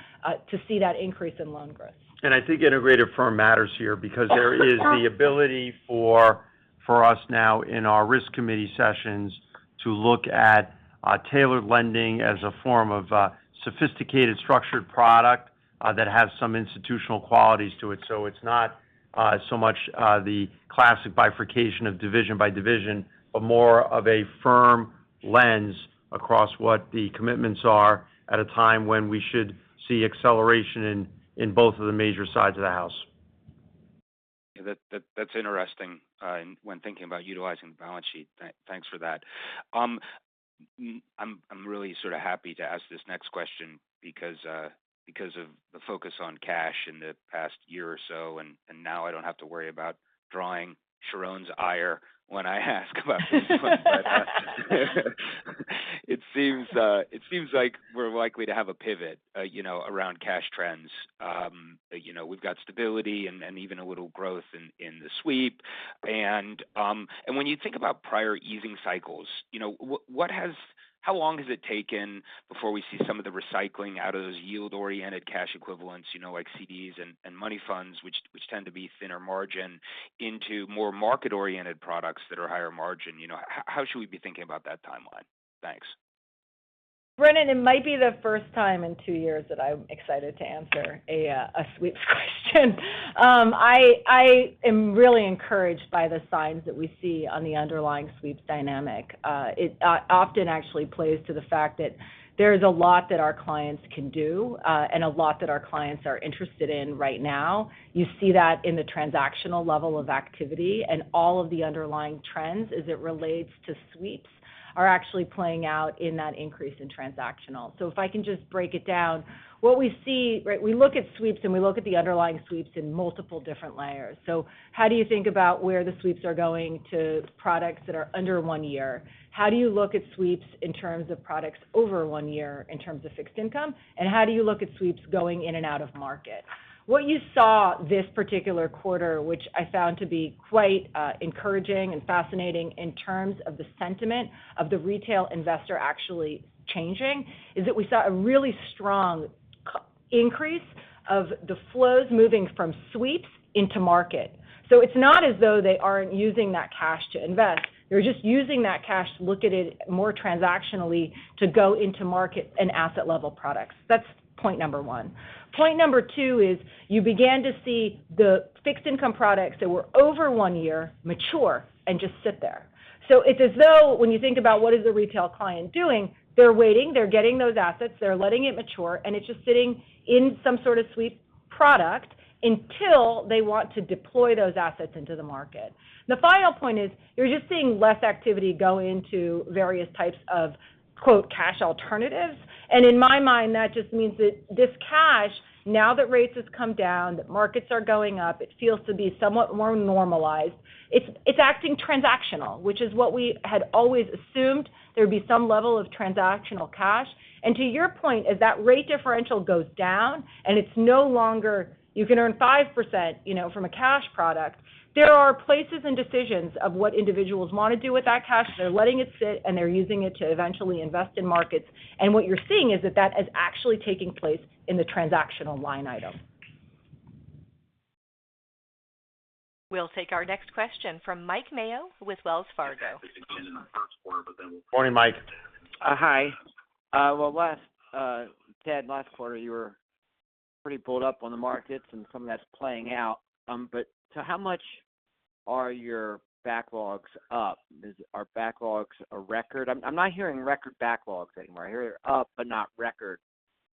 to see that increase in loan growth. And I think Integrated Firm matters here because there is the ability for us now in our risk committee sessions to look at tailored lending as a form of sophisticated structured product that has some institutional qualities to it. So it's not so much the classic bifurcation of division by division, but more of a firm lens across what the commitments are at a time when we should see acceleration in both of the major sides of the house. That's interesting when thinking about utilizing the balance sheet. Thanks for that. I'm really sort of happy to ask this next question because of the focus on cash in the past year or so. And now I don't have to worry about drawing Sharon's ire when I ask about this one. It seems like we're likely to have a pivot around cash trends. We've got stability and even a little growth in the sweep. And when you think about prior easing cycles, how long has it taken before we see some of the recycling out of those yield-oriented cash equivalents like CDs and money funds, which tend to be thinner margin, into more market-oriented products that are higher margin? How should we be thinking about that timeline? Thanks. Brennan, it might be the first time in two years that I'm excited to answer a sweeps question. I am really encouraged by the signs that we see on the underlying sweeps dynamic. It often actually plays to the fact that there is a lot that our clients can do and a lot that our clients are interested in right now. You see that in the transactional level of activity and all of the underlying trends as it relates to sweeps are actually playing out in that increase in transactional. So if I can just break it down, what we see, right, we look at sweeps and we look at the underlying sweeps in multiple different layers. So how do you think about where the sweeps are going to products that are under one year? How do you look at sweeps in terms of products over one year in terms of fixed income? And how do you look at sweeps going in and out of market? What you saw this particular quarter, which I found to be quite encouraging and fascinating in terms of the sentiment of the retail investor actually changing, is that we saw a really strong increase of the flows moving from sweeps into market. So it's not as though they aren't using that cash to invest. They're just using that cash to look at it more transactionally to go into market and asset-level products. That's point number one. Point number two is you began to see the fixed income products that were over one year mature and just sit there. So it's as though when you think about what is the retail client doing, they're waiting, they're getting those assets, they're letting it mature, and it's just sitting in some sort of sweep product until they want to deploy those assets into the market. The final point is you're just seeing less activity go into various types of "cash alternatives." And in my mind, that just means that this cash, now that rates have come down, that markets are going up, it feels to be somewhat more normalized. It's acting transactional, which is what we had always assumed there would be some level of transactional cash. And to your point, as that rate differential goes down and it's no longer you can earn 5% from a cash product, there are places and decisions of what individuals want to do with that cash. They're letting it sit and they're using it to eventually invest in markets. And what you're seeing is that that is actually taking place in the transactional line item. We'll take our next question from Mike Mayo with Wells Fargo. Morning, Mike. Hi. Ted, last quarter, you were pretty bullish on the markets and some of that's playing out. How much are your backlogs up? Are backlogs a record? I'm not hearing record backlogs anymore. I hear they're up but not record.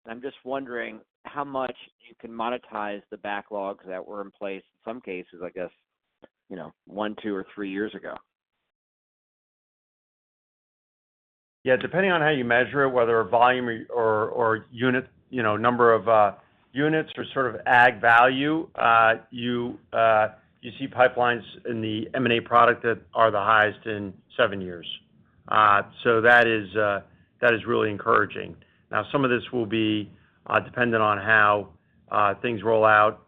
I'm just wondering how much you can monetize the backlogs that were in place in some cases, I guess, one, two, or three years ago. Yeah, depending on how you measure it, whether volume or number of units or sort of aggregate value, you see pipelines in the M&A product that are the highest in seven years. That is really encouraging. Now, some of this will be dependent on how things roll out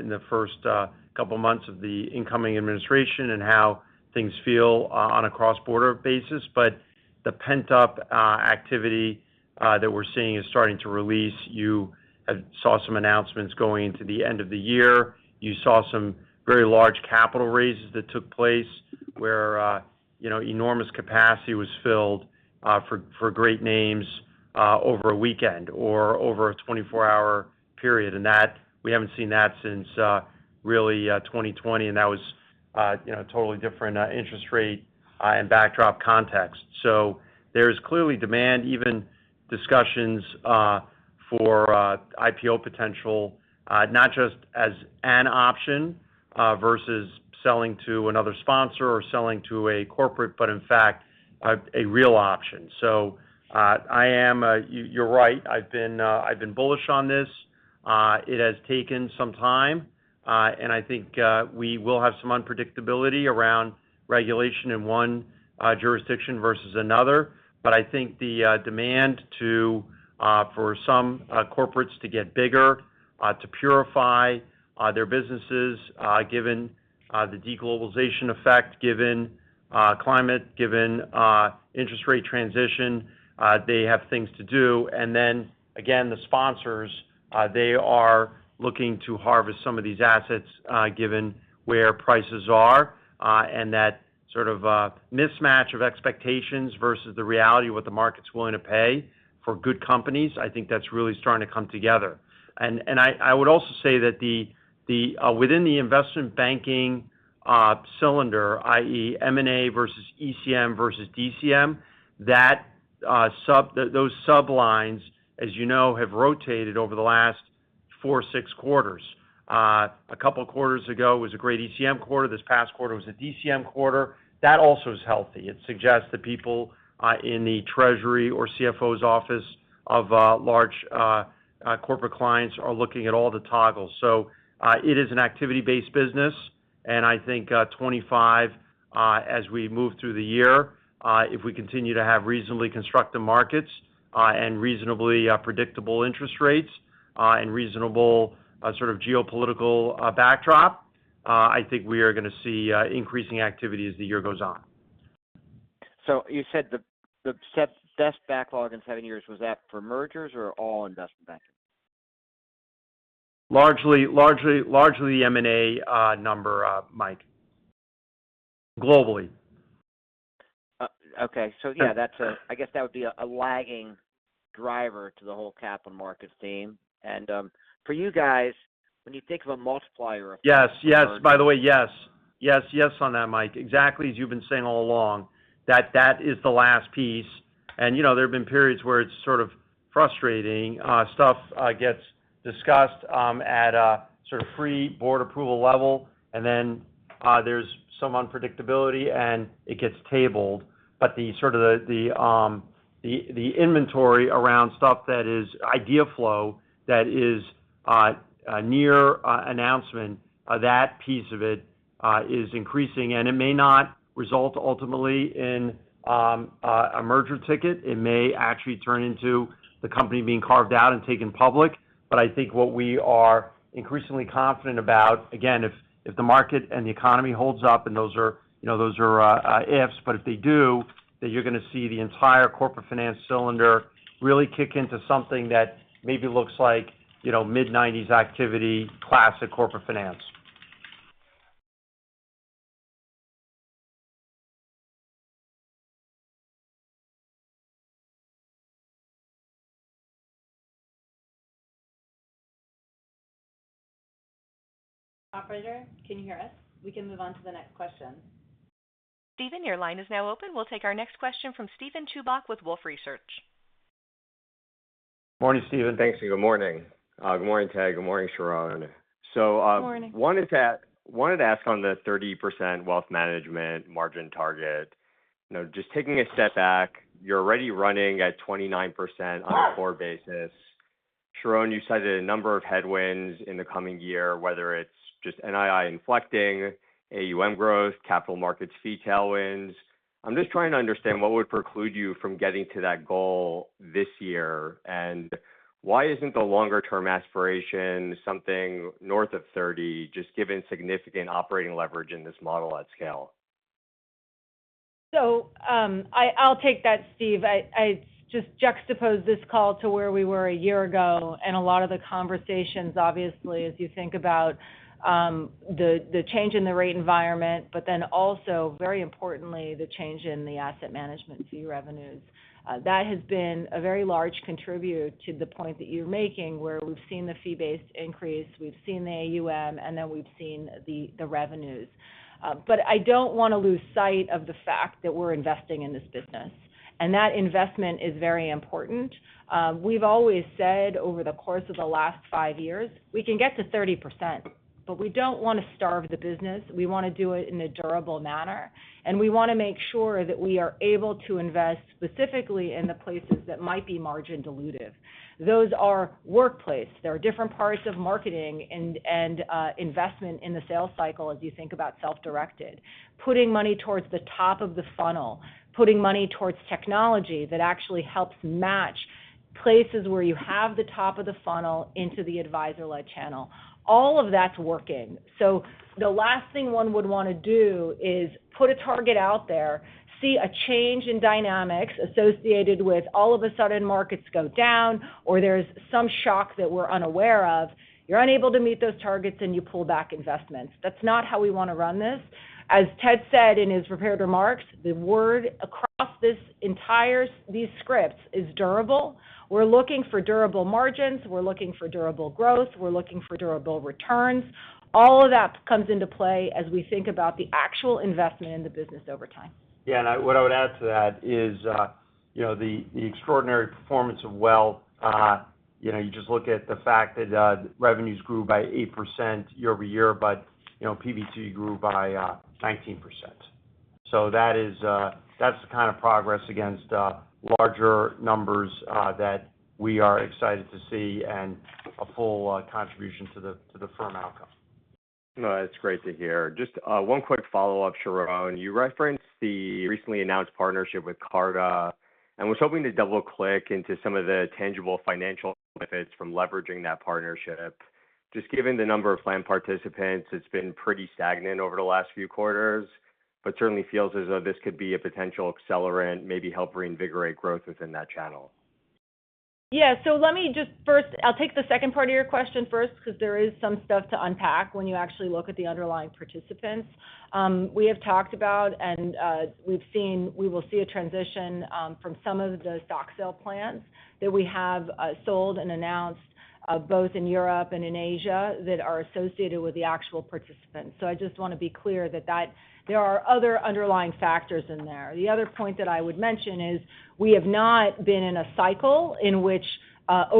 in the first couple of months of the incoming administration and how things feel on a cross-border basis. The pent-up activity that we're seeing is starting to release. You saw some announcements going into the end of the year. You saw some very large capital raises that took place where enormous capacity was filled for great names over a weekend or over a 24-hour period. And we haven't seen that since really 2020. And that was a totally different interest rate and backdrop context. So there's clearly demand, even discussions for IPO potential, not just as an option versus selling to another sponsor or selling to a corporate, but in fact, a real option. So I am, you're right, I've been bullish on this. It has taken some time. And I think we will have some unpredictability around regulation in one jurisdiction versus another. But I think the demand for some corporates to get bigger, to purify their businesses, given the deglobalization effect, given climate, given interest rate transition, they have things to do. And then, again, the sponsors, they are looking to harvest some of these assets given where prices are. And that sort of mismatch of expectations versus the reality of what the market's willing to pay for good companies, I think that's really starting to come together. And I would also say that within the investment banking silo, i.e., M&A versus ECM versus DCM, those sublines, as you know, have rotated over the last four, six quarters. A couple of quarters ago was a great ECM quarter. This past quarter was a DCM quarter. That also is healthy. It suggests that people in the treasury or CFO's office of large corporate clients are looking at all the toggles. So it is an activity-based business. I think 2025, as we move through the year, if we continue to have reasonably constructive markets and reasonably predictable interest rates and reasonable sort of geopolitical backdrop, I think we are going to see increasing activity as the year goes on. So you said the best backlog in seven years was that for mergers or all investment banking? Largely the M&A number, Mike, globally. Okay. So yeah, I guess that would be a lagging driver to the whole capital markets theme. And for you guys, when you think of a multiplier of— Yes, yes. By the way, yes. Yes, yes on that, Mike. Exactly as you've been saying all along, that that is the last piece. And there have been periods where it's sort of frustrating. Stuff gets discussed at a sort of pre-board approval level, and then there's some unpredictability, and it gets tabled. But sort of the inventory around stuff that is idea flow that is near announcement, that piece of it is increasing. And it may not result ultimately in a merger ticket. It may actually turn into the company being carved out and taken public. But I think what we are increasingly confident about, again, if the market and the economy holds up, and those are ifs, but if they do, then you're going to see the entire corporate finance cylinder really kick into something that maybe looks like mid-90s activity, classic corporate finance. Operator, can you hear us? We can move on to the next question. Steven, your line is now open. We'll take our next question from Steven Chubak with Wolfe Research. Morning, Steven. Thanks and good morning. Good morning, Ted. Good morning, Sharon. So one is that one is asked on the 30% wealth management margin target. Just taking a step back, you're already running at 29% on a core basis. Sharon, you cited a number of headwinds in the coming year, whether it's just NII inflecting, AUM growth, capital markets fee tailwinds. I'm just trying to understand what would preclude you from getting to that goal this year. And why isn't the longer-term aspiration something north of 30, just given significant operating leverage in this model at scale? So I'll take that, Steve. I just juxtaposed this call to where we were a year ago. And a lot of the conversations, obviously, as you think about the change in the rate environment, but then also, very importantly, the change in the asset management fee revenues. That has been a very large contributor to the point that you're making where we've seen the fee-based increase, we've seen the AUM, and then we've seen the revenues. But I don't want to lose sight of the fact that we're investing in this business. And that investment is very important. We've always said over the course of the last five years, we can get to 30%, but we don't want to starve the business. We want to do it in a durable manner. And we want to make sure that we are able to invest specifically in the places that might be margin-dilutive. Those are Workplace. There are different parts of marketing and investment in the sales cycle as you think about self-directed. Putting money towards the top of the funnel, putting money towards technology that actually helps match places where you have the top of the funnel into the advisor-led channel. All of that's working. So the last thing one would want to do is put a target out there, see a change in dynamics associated with all of a sudden markets go down or there's some shock that we're unaware of. You're unable to meet those targets and you pull back investments. That's not how we want to run this. As Ted said in his prepared remarks, the word across these scripts is durable. We're looking for durable margins. We're looking for durable growth. We're looking for durable returns. All of that comes into play as we think about the actual investment in the business over time. Yeah. And what I would add to that is the extraordinary performance of Wealth. You just look at the fact that revenues grew by 8% year-over-year, but PBT grew by 19%. So that's the kind of progress against larger numbers that we are excited to see and a full contribution to the firm outcome. No, that's great to hear. Just one quick follow-up, Sharon. You referenced the recently announced partnership with Carta and was hoping to double-click into some of the tangible financial benefits from leveraging that partnership. Just given the number of planned participants, it's been pretty stagnant over the last few quarters, but certainly feels as though this could be a potential accelerant, maybe help reinvigorate growth within that channel. Yeah. So let me just first, I'll take the second part of your question first because there is some stuff to unpack when you actually look at the underlying participants. We have talked about and we've seen we will see a transition from some of the stock sale plans that we have sold and announced both in Europe and in Asia that are associated with the actual participants. So I just want to be clear that there are other underlying factors in there. The other point that I would mention is we have not been in a cycle in which,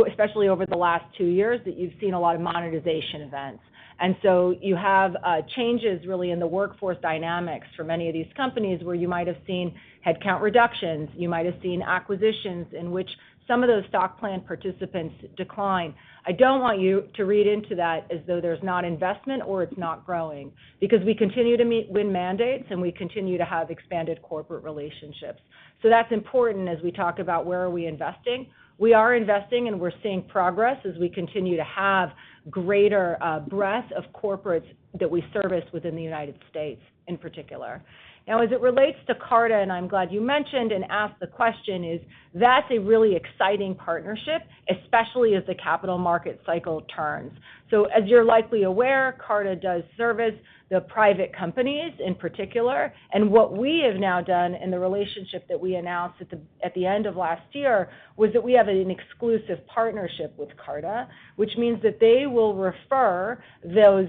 especially over the last two years, that you've seen a lot of monetization events. And so you have changes really in the workforce dynamics for many of these companies where you might have seen headcount reductions. You might have seen acquisitions in which some of those stock plan participants decline. I don't want you to read into that as though there's not investment or it's not growing because we continue to win mandates and we continue to have expanded corporate relationships. So that's important as we talk about where are we investing. We are investing and we're seeing progress as we continue to have greater breadth of corporates that we service within the United States in particular. Now, as it relates to Carta, and I'm glad you mentioned and asked the question, is that's a really exciting partnership, especially as the capital market cycle turns. So as you're likely aware, Carta does service the private companies in particular. What we have now done in the relationship that we announced at the end of last year was that we have an exclusive partnership with Carta, which means that they will refer those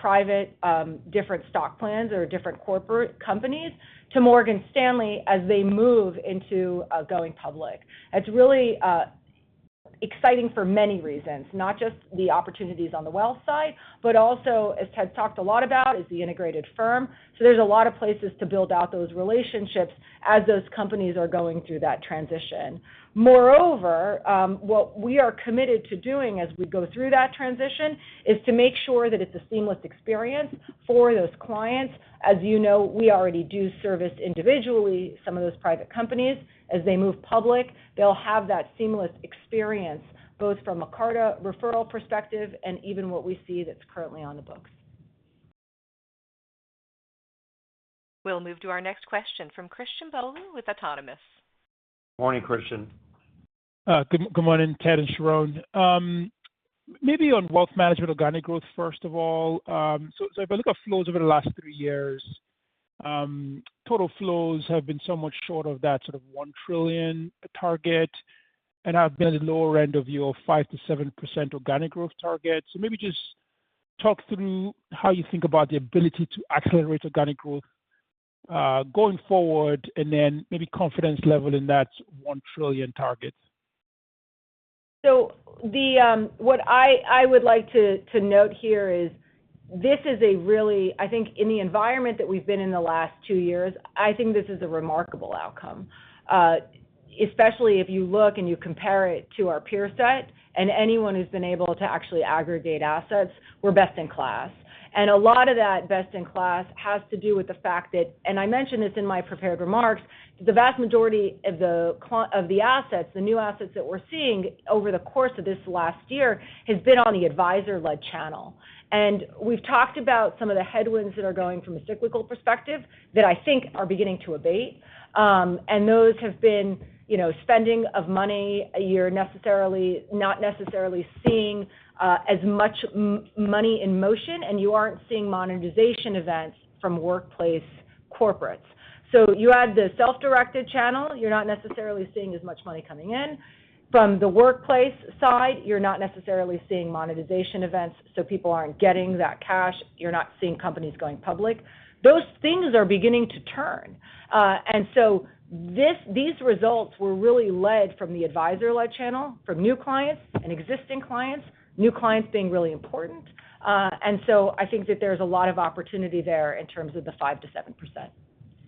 private different stock plans or different corporate companies to Morgan Stanley as they move into going public. It's really exciting for many reasons, not just the opportunities on the wealth side, but also, as Ted talked a lot about, is the Integrated Firm. So there's a lot of places to build out those relationships as those companies are going through that transition. Moreover, what we are committed to doing as we go through that transition is to make sure that it's a seamless experience for those clients. As you know, we already do service individually some of those private companies. As they move public, they'll have that seamless experience both from a Carta referral perspective and even what we see that's currently on the books. We'll move to our next question from Christian Bolu with Autonomous Research. Morning, Christian. Good morning, Ted and Sharon. Maybe on wealth management organic growth, first of all. So if I look at flows over the last three years, total flows have been somewhat short of that sort of $1 trillion target and have been at a lower end of your 5%-7% organic growth target. So maybe just talk through how you think about the ability to accelerate organic growth going forward and then maybe confidence level in that $1 trillion target. What I would like to note here is this is a really, I think, in the environment that we've been in the last two years, I think this is a remarkable outcome, especially if you look and you compare it to our peer set and anyone who's been able to actually aggregate assets, we're best in class. A lot of that best in class has to do with the fact that, and I mentioned this in my prepared remarks, the vast majority of the assets, the new assets that we're seeing over the course of this last year has been on the advisor-led channel. We've talked about some of the headwinds that are going from a cyclical perspective that I think are beginning to abate. And those have been seeing a lot of money a year, not necessarily seeing as much money in motion, and you aren't seeing monetization events from workplace corporates. So you add the self-directed channel, you're not necessarily seeing as much money coming in. From the workplace side, you're not necessarily seeing monetization events, so people aren't getting that cash, you're not seeing companies going public. Those things are beginning to turn. These results were really led from the advisor-led channel, from new clients and existing clients, new clients being really important. I think that there's a lot of opportunity there in terms of the 5%-7%.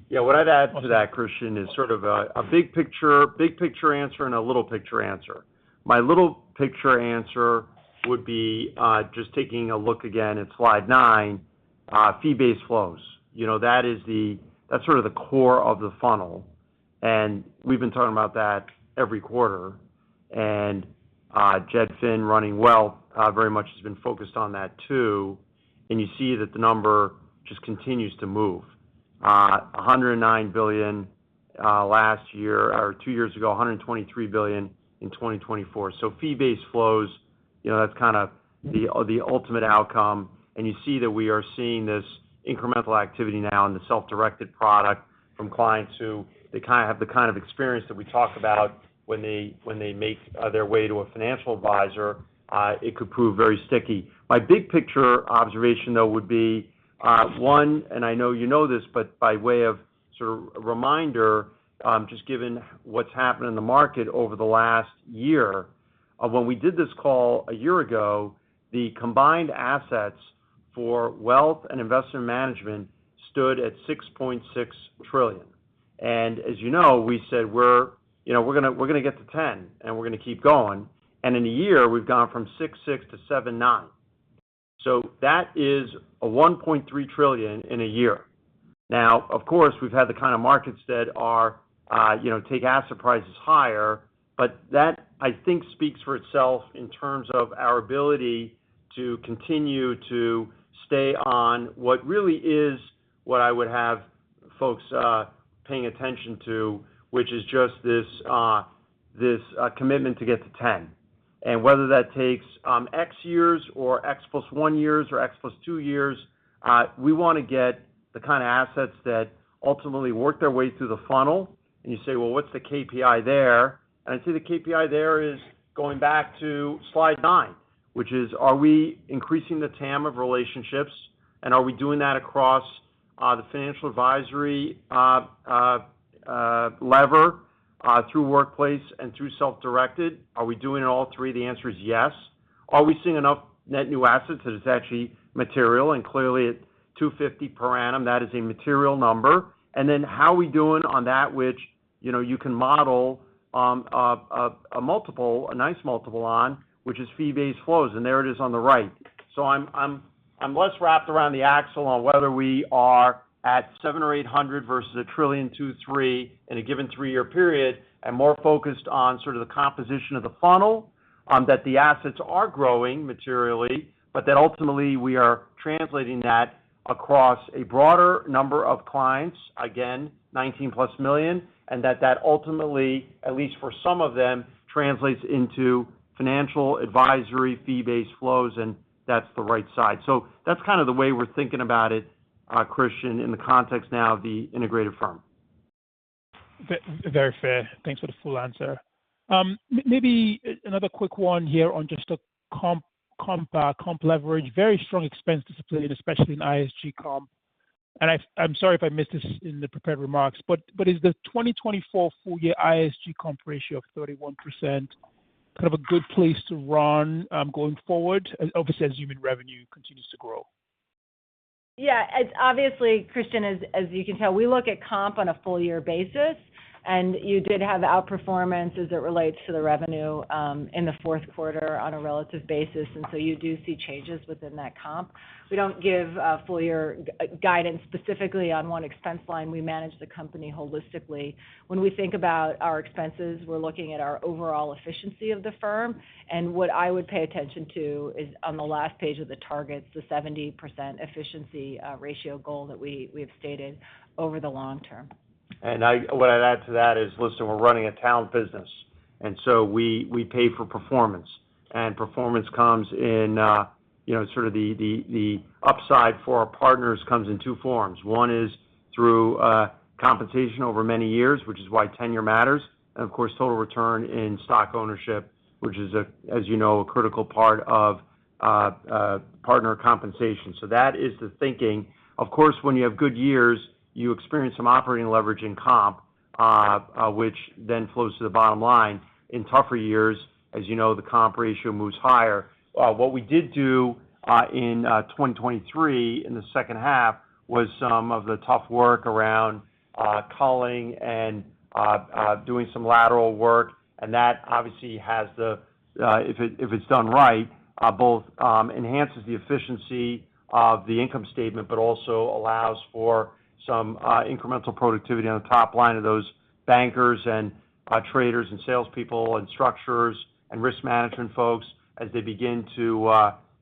Yeah. What I'd add to that, Christian, is sort of a big picture, big picture answer and a little picture answer. My little picture answer would be just taking a look again at slide nine, fee-based flows. That's sort of the core of the funnel. And we've been talking about that every quarter. And Jed Finn running Wealth very much has been focused on that too. And you see that the number just continues to move. $109 billion last year or two years ago, $123 billion in 2024. So fee-based flows, that's kind of the ultimate outcome. And you see that we are seeing this incremental activity now in the self-directed product from clients who they kind of have the kind of experience that we talk about when they make their way to a financial advisor. It could prove very sticky. My big picture observation, though, would be one, and I know you know this, but by way of sort of reminder, just given what's happened in the market over the last year, when we did this call a year ago, the combined assets for Wealth and Investment Management stood at $6.6 trillion. And as you know, we said, "We're going to get to 10, and we're going to keep going." And in a year, we've gone from $6.6 trillion to $7.9 trillion. So that is $1.3 trillion in a year. Now, of course, we've had the kind of markets that take asset prices higher, but that, I think, speaks for itself in terms of our ability to continue to stay on what really is what I would have folks paying attention to, which is just this commitment to get to 10. Whether that takes X years or X plus one years or X plus two years, we want to get the kind of assets that ultimately work their way through the funnel. You say, "Well, what's the KPI there?" I'd say the KPI there is going back to slide nine, which is, are we increasing the TAM of relationships? Are we doing that across the financial advisory lever through Workplace and through self-directed? Are we doing it all three? The answer is yes. Are we seeing enough net new assets that it's actually material? Clearly, at 250 per annum, that is a material number. Then how are we doing on that, which you can model a nice multiple on, which is fee-based flows? There it is on the right. So I'm less wrapped around the axle on whether we are at seven or eight hundred versus a trillion to three in a given three-year period and more focused on sort of the composition of the funnel, that the assets are growing materially, but that ultimately we are translating that across a broader number of clients, again, 19 plus million, and that that ultimately, at least for some of them, translates into financial advisory fee-based flows, and that's the right side. So that's kind of the way we're thinking about it, Christian, in the context now of the Integrated Firm. Very fair. Thanks for the full answer. Maybe another quick one here on just the comp leverage, very strong expense discipline, especially in ISG comp. I'm sorry if I missed this in the prepared remarks, but is the 2024 full-year ISG comp ratio of 31% kind of a good place to run going forward, obviously assuming revenue continues to grow? Yeah. Obviously, Christian, as you can tell, we look at comp on a full-year basis, and you did have outperformance as it relates to the revenue in the fourth quarter on a relative basis. And so you do see changes within that comp. We don't give full-year guidance specifically on one expense line. We manage the company holistically. When we think about our expenses, we're looking at our overall efficiency of the firm. And what I would pay attention to is on the last page of the targets, the 70% efficiency ratio goal that we have stated over the long term. And what I'd add to that is, listen, we're running a talent business. We pay for performance. Performance comes in sort of the upside for our partners comes in two forms. One is through compensation over many years, which is why tenure matters. Of course, total return in stock ownership, which is, as you know, a critical part of partner compensation. That is the thinking. Of course, when you have good years, you experience some operating leverage in comp, which then flows to the bottom line. In tougher years, as you know, the comp ratio moves higher. What we did do in 2023 in the second half was some of the tough work around culling and doing some lateral work. And that obviously has the, if it's done right, both enhances the efficiency of the income statement, but also allows for some incremental productivity on the top line of those bankers and traders and salespeople and structures and risk management folks as they begin to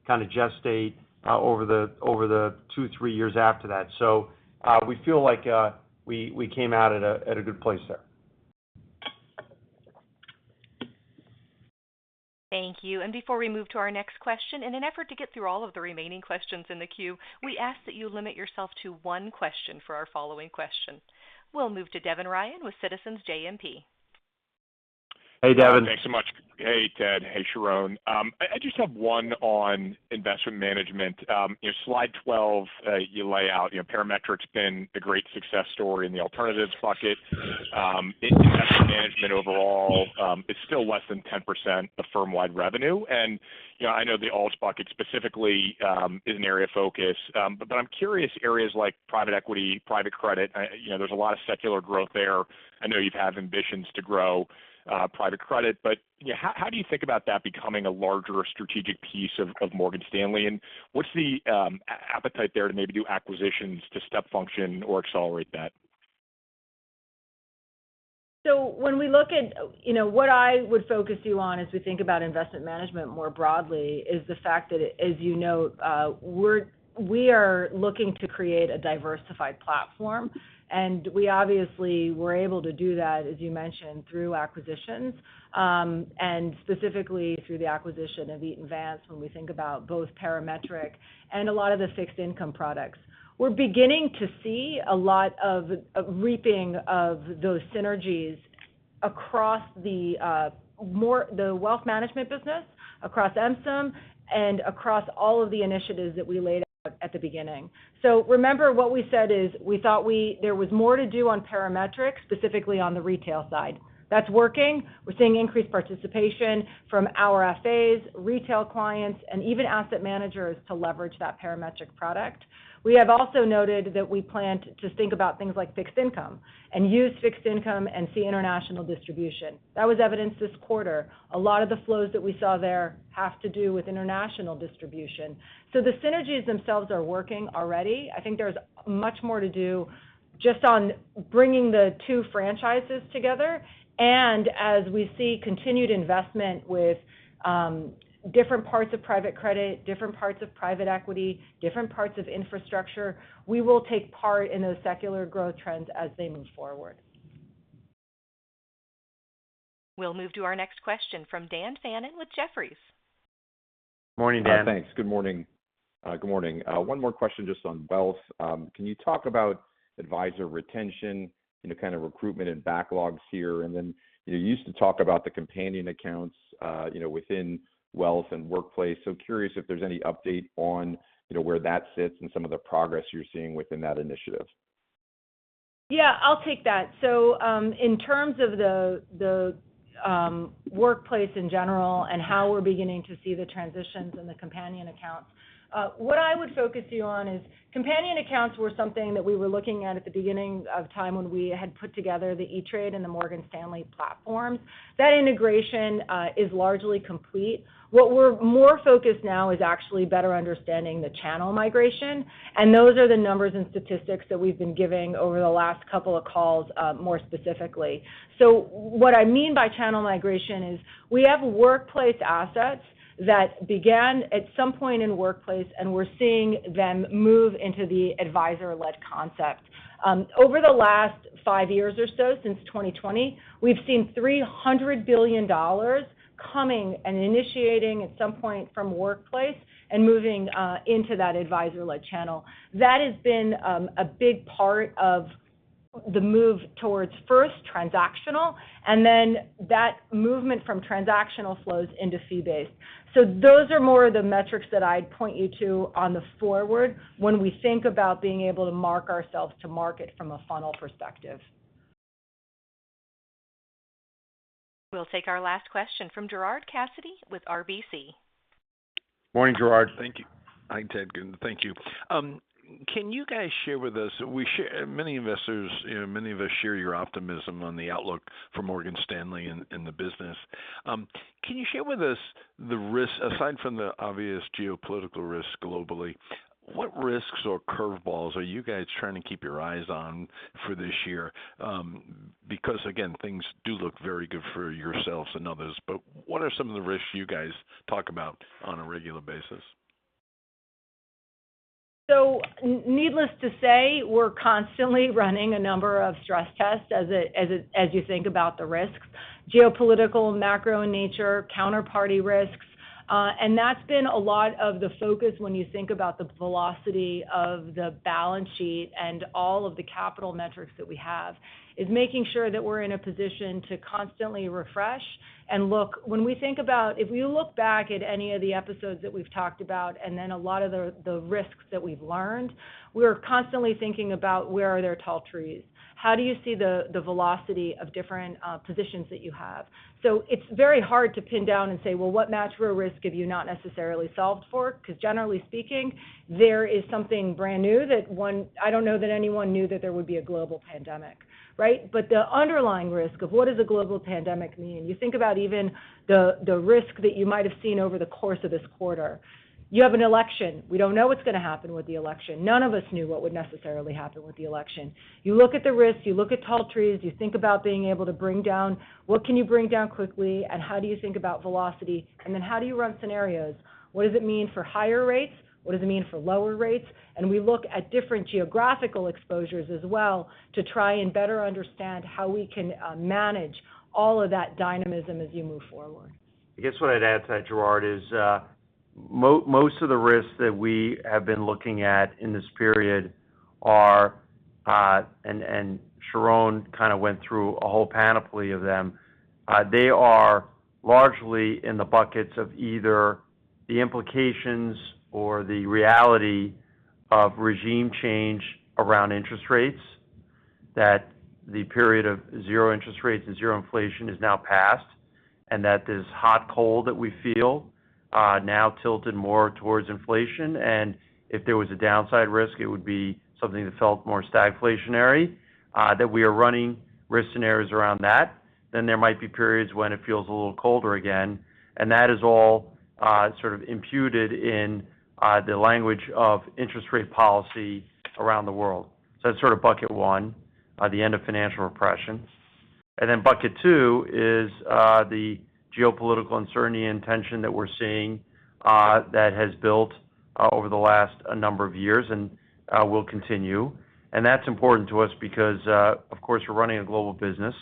kind of gestate over the two to three years after that. So we feel like we came out at a good place there. Thank you. And before we move to our next question, in an effort to get through all of the remaining questions in the queue, we ask that you limit yourself to one question for our following question. We'll move to Devin Ryan with Citizen JMP. Hey, Devin. Thanks so much. Hey, Ted. Hey, Sharon. I just have one on investment management. Slide 12, you lay out Parametric's been a great success story in the alternatives bucket. Investment management overall is still less than 10% of firm-wide revenue. And I know the all bucket specifically is an area of focus. But I'm curious areas like private equity, private credit. There's a lot of secular growth there. I know you've had ambitions to grow private credit. But how do you think about that becoming a larger strategic piece of Morgan Stanley? And what's the appetite there to maybe do acquisitions to step function or accelerate that? So when we look at what I would focus you on as we think about investment management more broadly is the fact that, as you know, we are looking to create a diversified platform. And we obviously were able to do that, as you mentioned, through acquisitions and specifically through the acquisition of Eaton Vance, when we think about both Parametric and a lot of the fixed income products. We're beginning to see a lot of reaping of those synergies across the wealth management business, across MSIM, and across all of the initiatives that we laid out at the beginning. So remember what we said is we thought there was more to do on Parametric, specifically on the retail side. That's working. We're seeing increased participation from our FAs, retail clients, and even asset managers to leverage that Parametric product. We have also noted that we plan to think about things like fixed income and use fixed income and see international distribution. That was evidenced this quarter. A lot of the flows that we saw there have to do with international distribution. So the synergies themselves are working already. I think there's much more to do just on bringing the two franchises together. And as we see continued investment with different parts of private credit, different parts of private equity, different parts of infrastructure, we will take part in those secular growth trends as they move forward. We'll move to our next question from Dan Fannon with Jefferies. Morning, Dan. Thanks. Good morning. Good morning. One more question just on wealth. Can you talk about advisor retention, kind of recruitment and backlogs here? And then you used to talk about the companion accounts within wealth and workplace. So curious if there's any update on where that sits and some of the progress you're seeing within that initiative. Yeah. I'll take that. So in terms of the Workplace in general and how we're beginning to see the transitions and the companion accounts, what I would focus you on is companion accounts were something that we were looking at at the beginning of time when we had put together the E*TRADE and the Morgan Stanley platforms. That integration is largely complete. What we're more focused now is actually better understanding the channel migration. And those are the numbers and statistics that we've been giving over the last couple of calls more specifically. So what I mean by channel migration is we have Workplace assets that began at some point in Workplace, and we're seeing them move into the advisor-led concept. Over the last five years or so, since 2020, we've seen $300 billion coming and initiating at some point from Workplace and moving into that advisor-led channel. That has been a big part of the move towards first transactional, and then that movement from transactional flows into fee-based. So those are more of the metrics that I'd point you to going forward when we think about being able to mark ourselves to market from a funnel perspective. We'll take our last question from Gerard Cassidy with RBC. Morning, Gerard. Thank you. Hi, Ted. Thank you. Can you guys share with us? Many investors, many of us share your optimism on the outlook for Morgan Stanley and the business. Can you share with us the risk, aside from the obvious geopolitical risk globally, what risks or curveballs are you guys trying to keep your eyes on for this year? Because, again, things do look very good for yourselves and others. But what are some of the risks you guys talk about on a regular basis? So needless to say, we're constantly running a number of stress tests as you think about the risks, geopolitical, macro in nature, counterparty risks. And that's been a lot of the focus when you think about the velocity of the balance sheet and all of the capital metrics that we have, is making sure that we're in a position to constantly refresh and look. When we think about, if we look back at any of the episodes that we've talked about and then a lot of the risks that we've learned, we're constantly thinking about where are there tall trees? How do you see the velocity of different positions that you have? So it's very hard to pin down and say, "Well, what math for a risk have you not necessarily solved for?" Because generally speaking, there is something brand new that I don't know that anyone knew that there would be a global pandemic, right? But the underlying risk of what does a global pandemic mean? You think about even the risk that you might have seen over the course of this quarter. You have an election. We don't know what's going to happen with the election. None of us knew what would necessarily happen with the election. You look at the risk, you look at tail risks, you think about being able to bring down what can you bring down quickly and how do you think about velocity? And then how do you run scenarios? What does it mean for higher rates? What does it mean for lower rates? We look at different geographical exposures as well to try and better understand how we can manage all of that dynamism as you move forward. I guess what I'd add to that, Gerard, is most of the risks that we have been looking at in this period are, and Sharon kind of went through a whole panoply of them, they are largely in the buckets of either the implications or the reality of regime change around interest rates, that the period of zero interest rates and zero inflation is now past, and that this hot cold that we feel now tilted more towards inflation. If there was a downside risk, it would be something that felt more stagflationary that we are running risk scenarios around that. Then there might be periods when it feels a little colder again. And that is all sort of imputed in the language of interest rate policy around the world. So that's sort of bucket one, the end of financial repression. And then bucket two is the geopolitical uncertainty and tension that we're seeing that has built over the last number of years and will continue. And that's important to us because, of course, we're running a global business.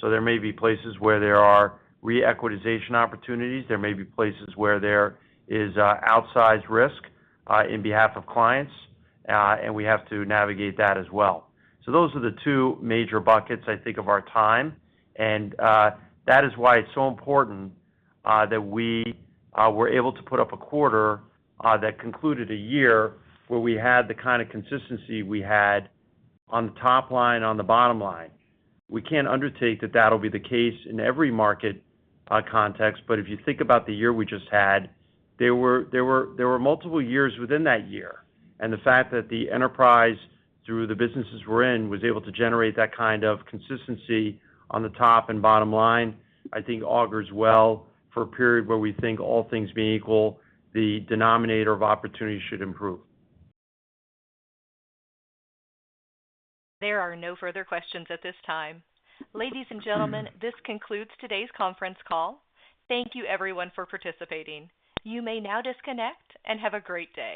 So there may be places where there are reequitization opportunities. There may be places where there is outsized risk in behalf of clients. And we have to navigate that as well. So those are the two major buckets I think of our time. And that is why it's so important that we were able to put up a quarter that concluded a year where we had the kind of consistency we had on the top line, on the bottom line. We can't undertake that that'll be the case in every market context. But if you think about the year we just had, there were multiple years within that year. And the fact that the enterprise through the businesses we're in was able to generate that kind of consistency on the top and bottom line, I think augurs well for a period where we think all things being equal, the denominator of opportunity should improve. There are no further questions at this time. Ladies and gentlemen, this concludes today's conference call. Thank you, everyone, for participating. You may now disconnect and have a great day.